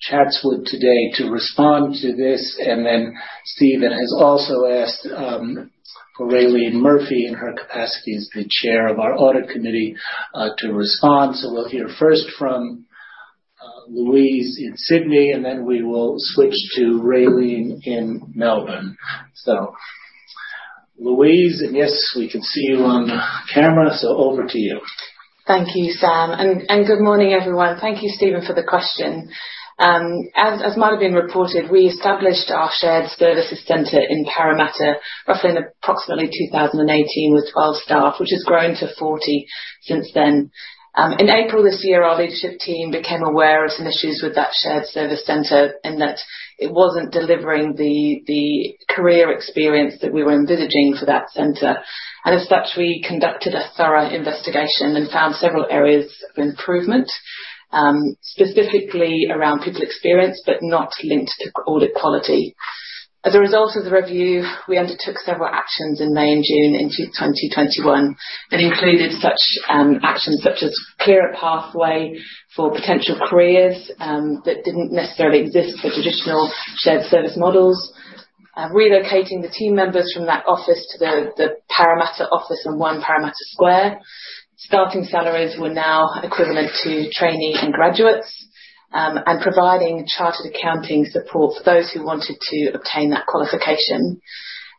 Chatswood today, to respond to this. Steven has also asked Raelene Murphy, in her capacity as the chair of our audit committee, to respond. We'll hear first from Louise in Sydney, and then we will switch to Raelene in Melbourne. Louise, and yes, we can see you on the camera. Over to you. Thank you, Sam, and good morning, everyone. Thank you, Stephen, for the question. As might have been reported, we established our shared services center in Parramatta roughly in approximately 2018 with 12 staff, which has grown to 40 since then. In April this year, our leadership team became aware of some issues with that shared service center and that it wasn't delivering the career experience that we were envisaging for that center. As such, we conducted a thorough investigation and found several areas of improvement, specifically around people experience but not linked to audit quality. As a result of the review, we undertook several actions in May and June in 2021 that included such actions such as clearer pathway for potential careers, that didn't necessarily exist for traditional shared service models. Relocating the team members from that office to the Parramatta office in One Parramatta Square. Starting salaries were now equivalent to trainees and graduates, and providing chartered accounting support for those who wanted to obtain that qualification.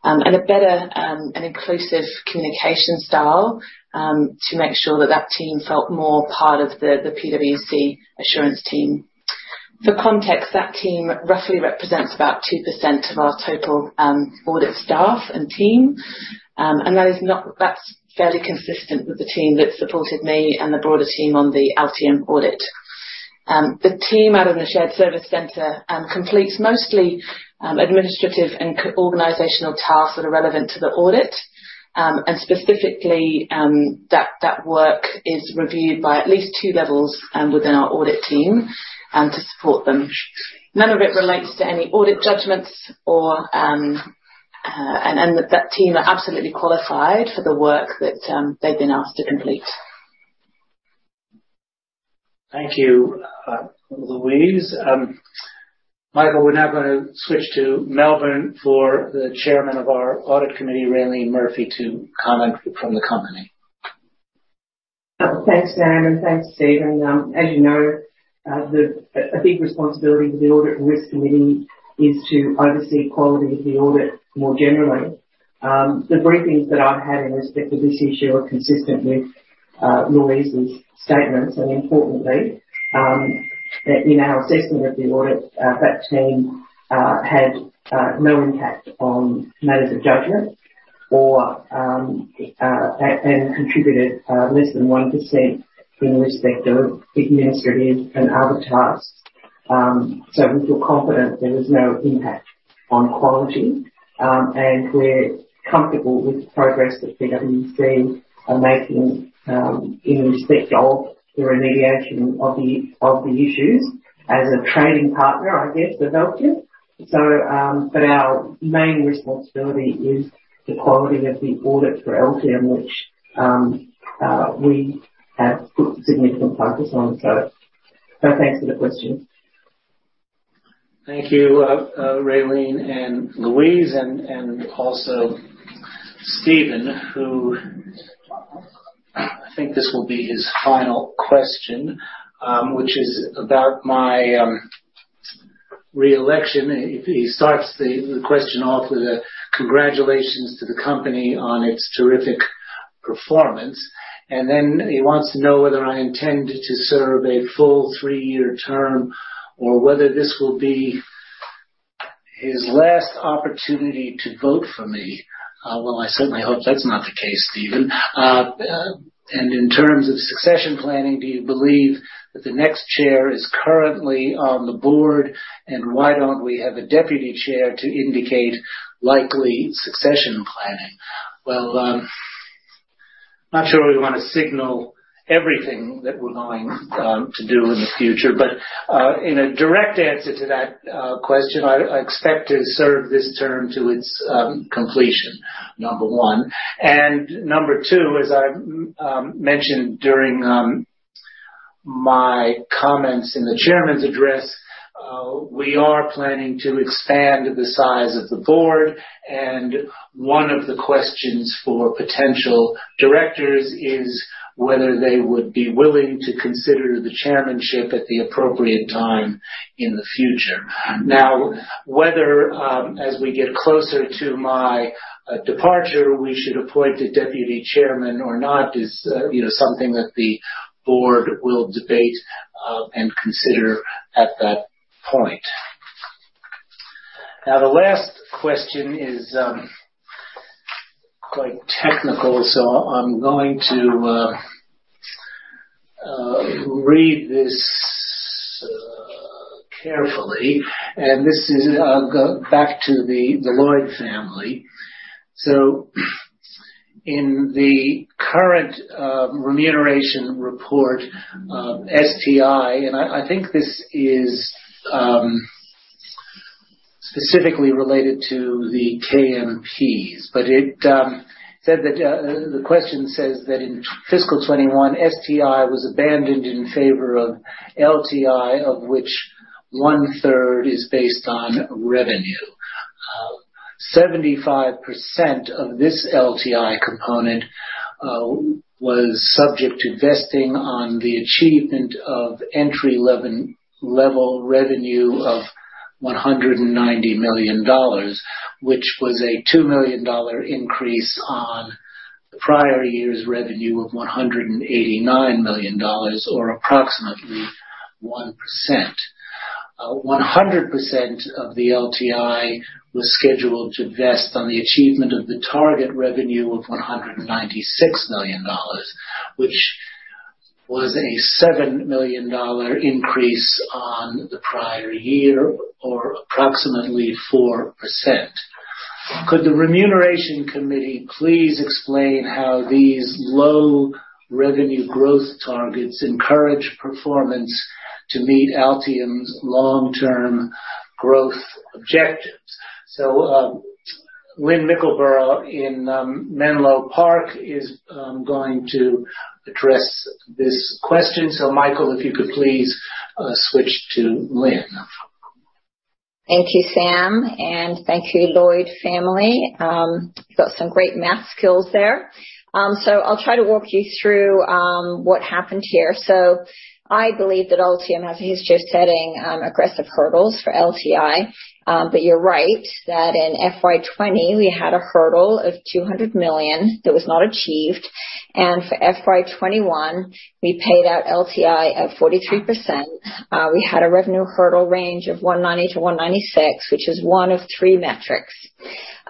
A better and inclusive communication style to make sure that team felt more part of the PwC assurance team. For context, that team roughly represents about 2% of our total audit staff and team. That's fairly consistent with the team that supported me and the broader team on the Altium audit. The team out of the shared service center completes mostly administrative and coordination tasks that are relevant to the audit. Specifically, that work is reviewed by at least two levels within our audit team and to support them. None of it relates to any audit judgments or and that team are absolutely qualified for the work that they've been asked to complete. Thank you, Louise. Michael, we're now gonna switch to Melbourne for the chairman of our audit committee, Raelene Murphy, to comment from the company. Thanks, Sam, and thanks, Stephen. As you know, a big responsibility for the Audit and Risk Committee is to oversee quality of the audit more generally. The briefings that I've had in respect to this issue are consistent with Louise's statements, and importantly, that in our assessment of the audit, that team had no impact on matters of judgment or and contributed less than 1% in respect of administrative and other tasks. We feel confident there was no impact on quality. We're comfortable with the progress that PwC are making in respect of the remediation of the issues as a trading partner, I guess, for Altium. our main responsibility is the quality of the audit for Altium, which we have put significant focus on. Thanks for the question. Thank you, Raelene and Louise and also Stephen, who I think this will be his final question, which is about my re-election. He starts the question off with a congratulations to the company on its terrific performance. Then he wants to know whether I intend to serve a full three-year term or whether this will be his last opportunity to vote for me. Well, I certainly hope that's not the case, Stephen. In terms of succession planning, do you believe that the next chair is currently on the board, and why don't we have a deputy chair to indicate likely succession planning? Well, not sure we wanna signal everything that we're going to do in the future. In a direct answer to that question, I expect to serve this term to its completion, number one. Number two, as I mentioned during my comments in the chairman's address, we are planning to expand the size of the board, and one of the questions for potential directors is whether they would be willing to consider the chairmanship at the appropriate time in the future. Now, whether as we get closer to my departure, we should appoint a deputy chairman or not is, you know, something that the board will debate and consider at that point. Now the last question is quite technical, so I'm going to read this carefully. This is go back to the Lloyd Family. In the current remuneration report, STI, and I think this is specifically related to the KMPs, but it said that the question says that in fiscal 2021, STI was abandoned in favor of LTI, of which one-third is based on revenue. 75% of this LTI component was subject to vesting on the achievement of entry level revenue of 190 million dollars, which was a 2 million dollar increase on the prior year's revenue of 189 million dollars or approximately 1%. 100% of the LTI was scheduled to vest on the achievement of the target revenue of 196 million dollars, which was a 7 million dollar increase on the prior year or approximately 4%. Could the remuneration committee please explain how these low revenue growth targets encourage performance to meet Altium's long-term growth objectives? Lynn Mickleburgh in Menlo Park is going to address this question. Michael, if you could please switch to Lynn. Thank you, Sam, and thank you, Lloyd family. You've got some great math skills there. I'll try to walk you through what happened here. I believe that Altium has a history of setting aggressive hurdles for LTI. You're right that in FY 2020 we had a hurdle of 200 million that was not achieved. For FY 2021, we paid out LTI at 43%. We had a revenue hurdle range of 190 million-196 million, which is one of three metrics.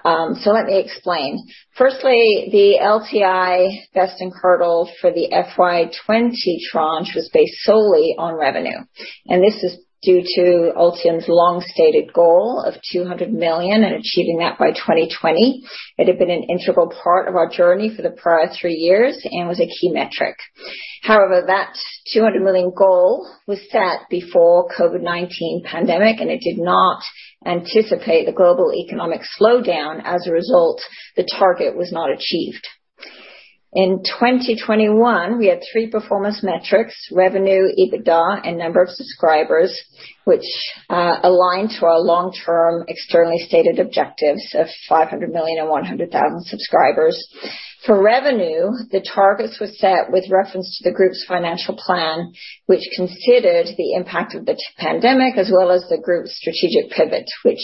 Let me explain. Firstly, the LTI vesting hurdle for the FY 2020 tranche was based solely on revenue, and this is due to Altium's long-stated goal of 200 million and achieving that by 2020. It had been an integral part of our journey for the prior three years and was a key metric. However, that $200 million goal was set before COVID-19 pandemic, and it did not anticipate the global economic slowdown. As a result, the target was not achieved. In 2021, we had three performance metrics: revenue, EBITDA, and number of subscribers, which aligned to our long-term externally stated objectives of $500 million and 100,000 subscribers. For revenue, the targets were set with reference to the group's financial plan, which considered the impact of the pandemic as well as the group's strategic pivot, which,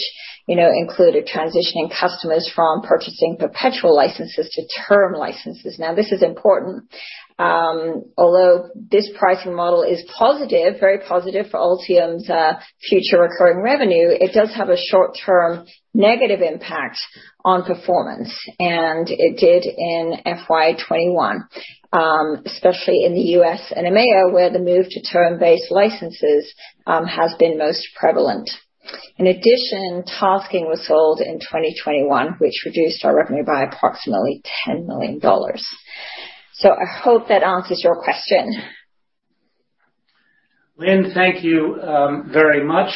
you know, included transitioning customers from purchasing perpetual licenses to term licenses. Now, this is important. Although this pricing model is positive, very positive for Altium's future recurring revenue, it does have a short-term negative impact on performance. It did in FY 2021, especially in the U.S. and EMEA, where the move to term-based licenses has been most prevalent. In addition, TASKING was sold in 2021, which reduced our revenue by approximately $10 million. I hope that answers your question. Lynn, thank you very much.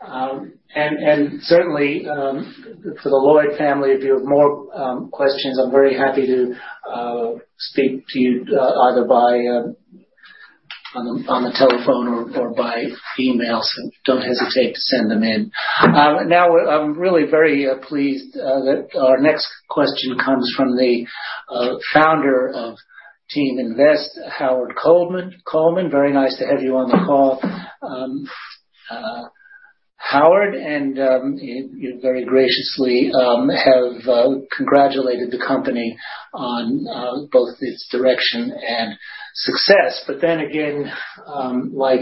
Certainly for the Lloyd Family, if you have more questions, I'm very happy to speak to you either on the telephone or by email. Don't hesitate to send them in. Now I'm really very pleased that our next question comes from the founder of Team Invest, Howard Coleman. Coleman, very nice to have you on the call. Howard, and you very graciously have congratulated the company on both its direction and success. Like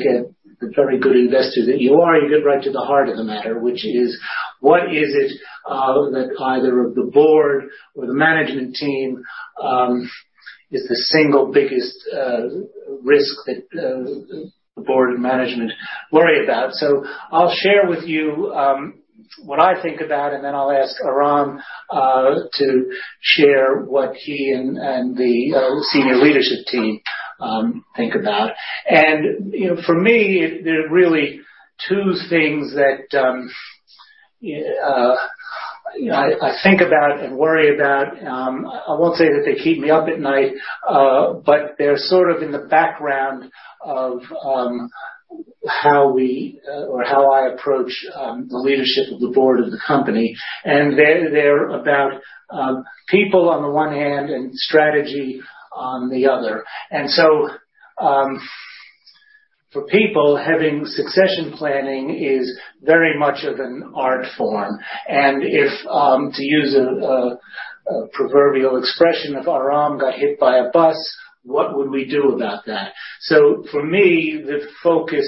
a very good investor that you are, you get right to the heart of the matter, which is what is it that either of the board or the management team is the single biggest risk that the board and management worry about. I'll share with you what I think about, and then I'll ask Aram to share what he and the senior leadership team think about. You know, for me, there are really two things that you know I think about and worry about. I won't say that they keep me up at night, but they're sort of in the background of how we or how I approach the leadership of the board of the company. They're about people on the one hand and strategy on the other. For people, having succession planning is very much of an art form. To use a proverbial expression, if Aram got hit by a bus, what would we do about that? For me, the focus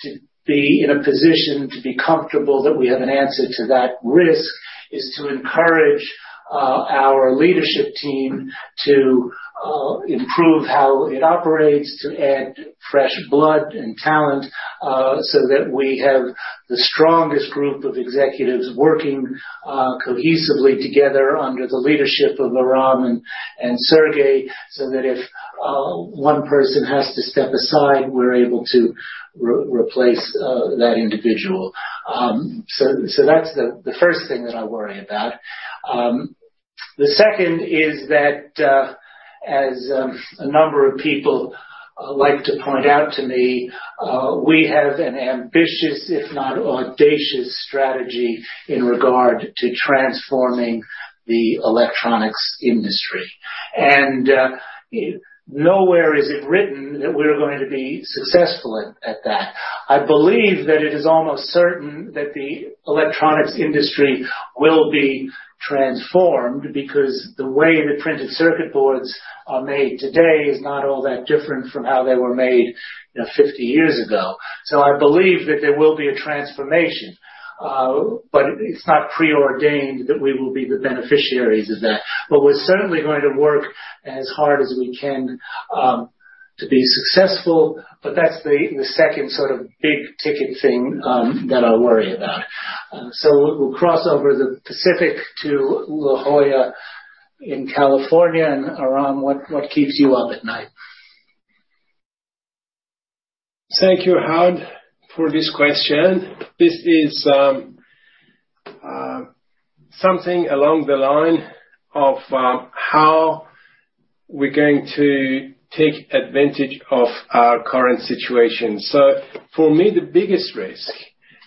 to be in a position to be comfortable that we have an answer to that risk is to encourage our leadership team to improve how it operates, to add fresh blood and talent, so that we have the strongest group of executives working cohesively together under the leadership of Aram and Sergiy, so that if one person has to step aside, we're able to replace that individual. That's the first thing that I worry about. The second is that a number of people like to point out to me we have an ambitious, if not audacious strategy in regard to transforming the electronics industry. Nowhere is it written that we're going to be successful at that. I believe that it is almost certain that the electronics industry will be transformed because the way the printed circuit boards are made today is not all that different from how they were made, you know, 50 years ago. I believe that there will be a transformation, but it's not preordained that we will be the beneficiaries of that. We're certainly going to work as hard as we can to be successful. That's the second sort of big-ticket thing that I worry about. We'll cross over the Pacific to La Jolla in California. Aram, what keeps you up at night? Thank you, Howard, for this question. This is something along the line of how we're going to take advantage of our current situation. For me, the biggest risk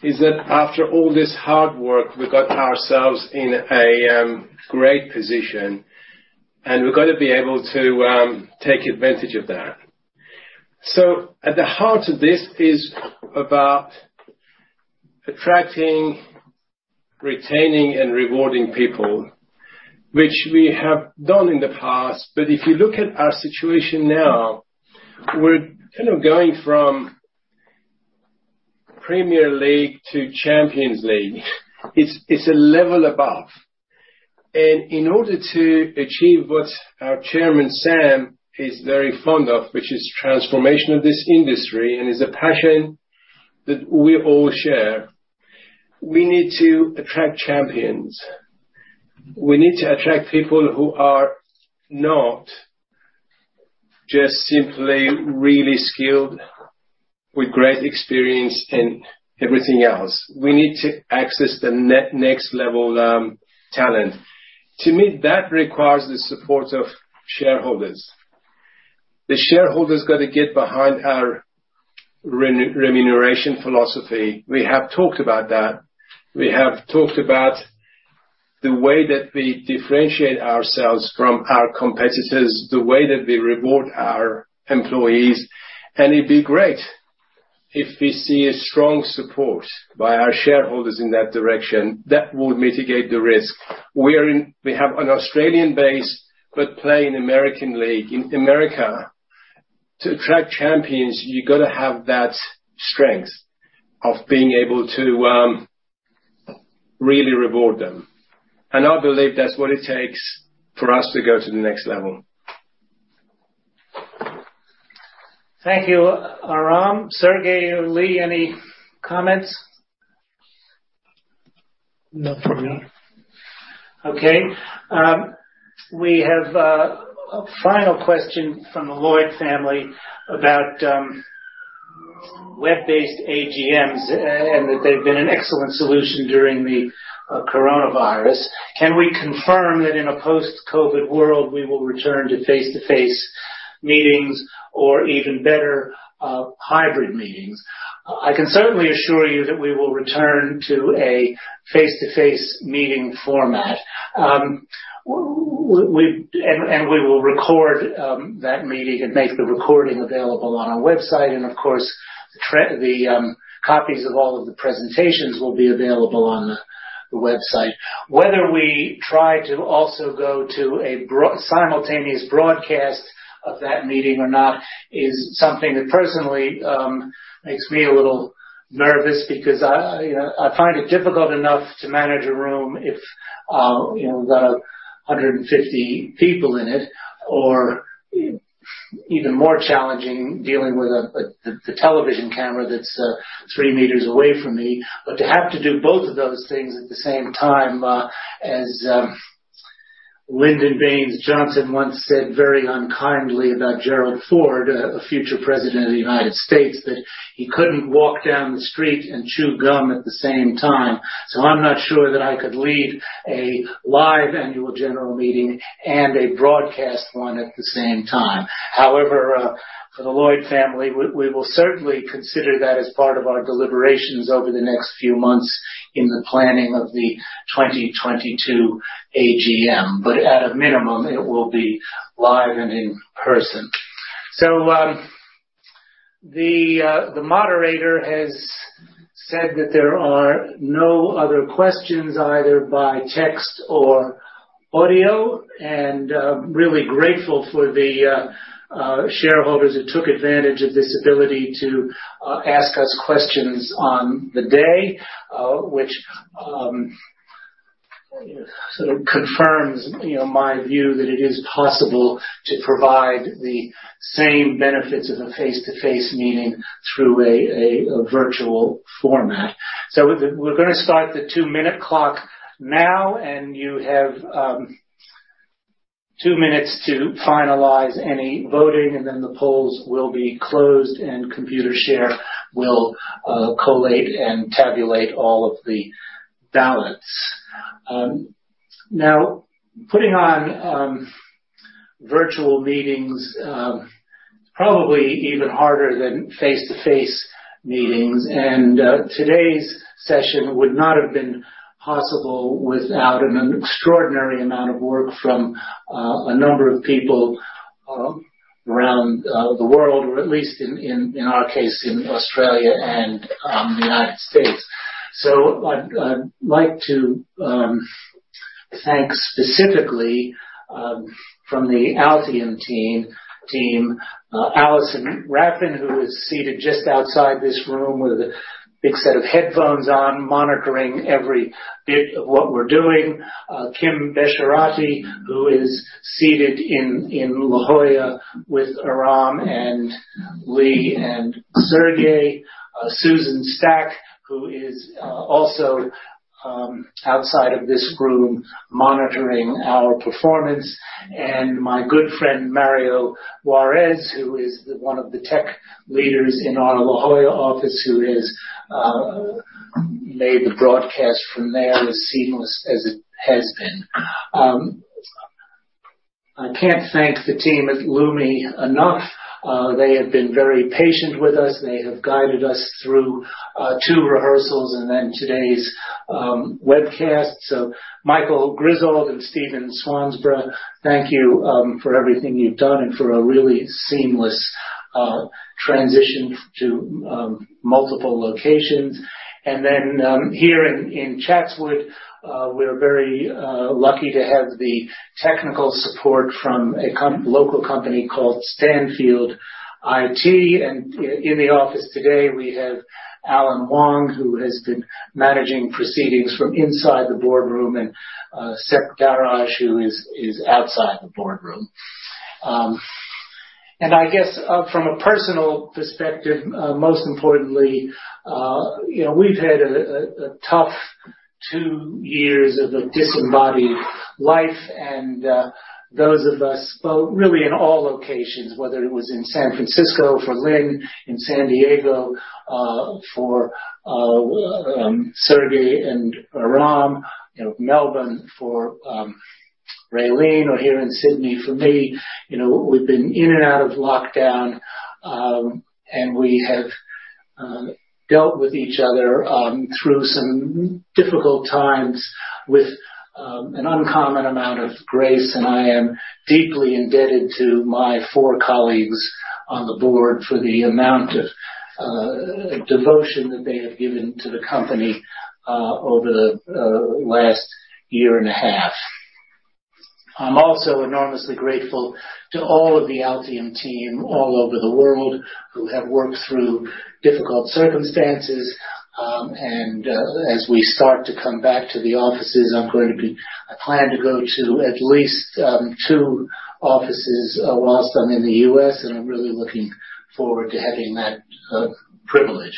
is that after all this hard work, we got ourselves in a great position, and we've got to be able to take advantage of that. At the heart of this is about attracting, retaining, and rewarding people, which we have done in the past. If you look at our situation now, we're kind of going from Premier League to Champions League. It's a level above. In order to achieve what our Chairman, Sam, is very fond of, which is transformation of this industry and is a passion that we all share, we need to attract champions. We need to attract people who are not just simply really skilled with great experience and everything else. We need to access the next level talent. To me, that requires the support of shareholders. The shareholders got to get behind our remuneration philosophy. We have talked about that. We have talked about the way that we differentiate ourselves from our competitors, the way that we reward our employees, and it'd be great if we see a strong support by our shareholders in that direction. That would mitigate the risk. We have an Australian base, but play in American league. In America, to attract champions, you got to have that strength of being able to really reward them. I believe that's what it takes for us to go to the next level. Thank you, Aram. Sergiy or Leigh, any comments? Not from me. Okay. We have a final question from the Lloyd family about web-based AGMs and that they've been an excellent solution during the coronavirus. Can we confirm that in a post-COVID world, we will return to face-to-face meetings or even better, hybrid meetings? I can certainly assure you that we will return to a face-to-face meeting format. We will record that meeting and make the recording available on our website. Of course, the copies of all of the presentations will be available on the website. Whether we try to also go to a simultaneous broadcast of that meeting or not is something that personally makes me a little nervous because I, you know, I find it difficult enough to manage a room if, you know, we've got 150 people in it, or even more challenging dealing with the television camera that's three meters away from me. To have to do both of those things at the same time, as Lyndon Baines Johnson once said very unkindly about Gerald Ford, a future President of the United States, that he couldn't walk down the street and chew gum at the same time. I'm not sure that I could lead a live annual general meeting and a broadcast one at the same time. However, for the Lloyd family, we will certainly consider that as part of our deliberations over the next few months in the planning of the 2022 AGM. At a minimum, it will be live and in person. The moderator has said that there are no other questions, either by text or audio, and really grateful for the shareholders who took advantage of this ability to ask us questions on the day, which sort of confirms, you know, my view that it is possible to provide the same benefits of a face-to-face meeting through a virtual format. We're gonna start the two-minute clock now, and you have two-minutes to finalize any voting, and then the polls will be closed, and Computershare will collate and tabulate all of the ballots. Now putting on virtual meetings probably even harder than face-to-face meetings. Today's session would not have been possible without an extraordinary amount of work from a number of people around the world or at least in our case, in Australia and the United States. I'd like to thank specifically from the Altium team Alison Raffan, who is seated just outside this room with a big set of headphones on, monitoring every bit of what we're doing. Kim Besharati, who is seated in La Jolla with Aram and Lee and Sergiy. Susan Stack, who is also outside of this room monitoring our performance. My good friend Mario Juarez, who is one of the tech leaders in our La Jolla office who has made the broadcast from there as seamless as it has been. I can't thank the team at Lumi enough. They have been very patient with us. They have guided us through two rehearsals and then today's webcast. Michael Griswold and Stephen Swansboro, thank you for everything you've done and for a really seamless transition to multiple locations. Here in Chatswood, we're very lucky to have the technical support from a local company called Stannfield IT. In the office today, we have Alan Wong, who has been managing proceedings from inside the boardroom, and Sepehr Daraj, who is outside the boardroom. I guess, from a personal perspective, most importantly, you know, we've had a tough two years of a disembodied life, and those of us, well, really in all locations, whether it was in San Francisco for Lynn, in San Diego for Sergiy and Aram, you know, Melbourne for Raelene, or here in Sydney for me. You know, we've been in and out of lockdown, and we have dealt with each other through some difficult times with an uncommon amount of grace, and I am deeply indebted to my four colleagues on the board for the amount of devotion that they have given to the company over the last year and a half. I'm also enormously grateful to all of the Altium team all over the world who have worked through difficult circumstances. As we start to come back to the offices, I plan to go to at least two offices whilst I'm in the U.S., and I'm really looking forward to having that privilege.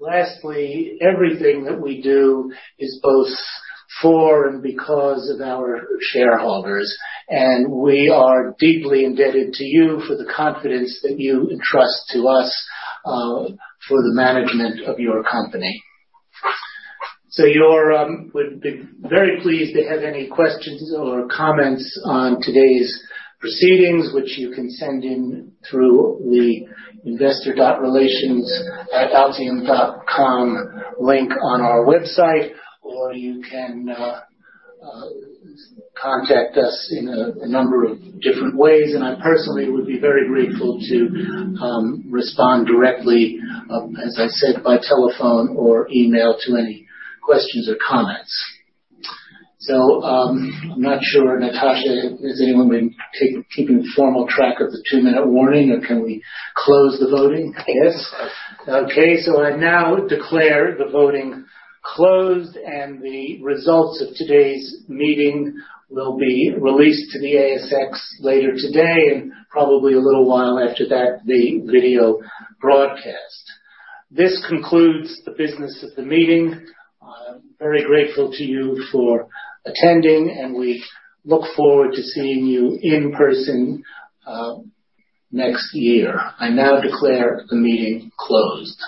Lastly, everything that we do is both for and because of our shareholders, and we are deeply indebted to you for the confidence that you entrust to us for the management of your company. We would be very pleased to have any questions or comments on today's proceedings, which you can send in through the investor.relations@altium.com link on our website, or you can contact us in a number of different ways. I personally would be very grateful to respond directly, as I said, by telephone or email to any questions or comments. I'm not sure, Natasha, has anyone been time-keeping formal track of the two-minute warning or can we close the voting? Yes. Okay. I now declare the voting closed, and the results of today's meeting will be released to the ASX later today and probably a little while after that, the video broadcast. This concludes the business of the meeting. I'm very grateful to you for attending, and we look forward to seeing you in person, next year. I now declare the meeting closed.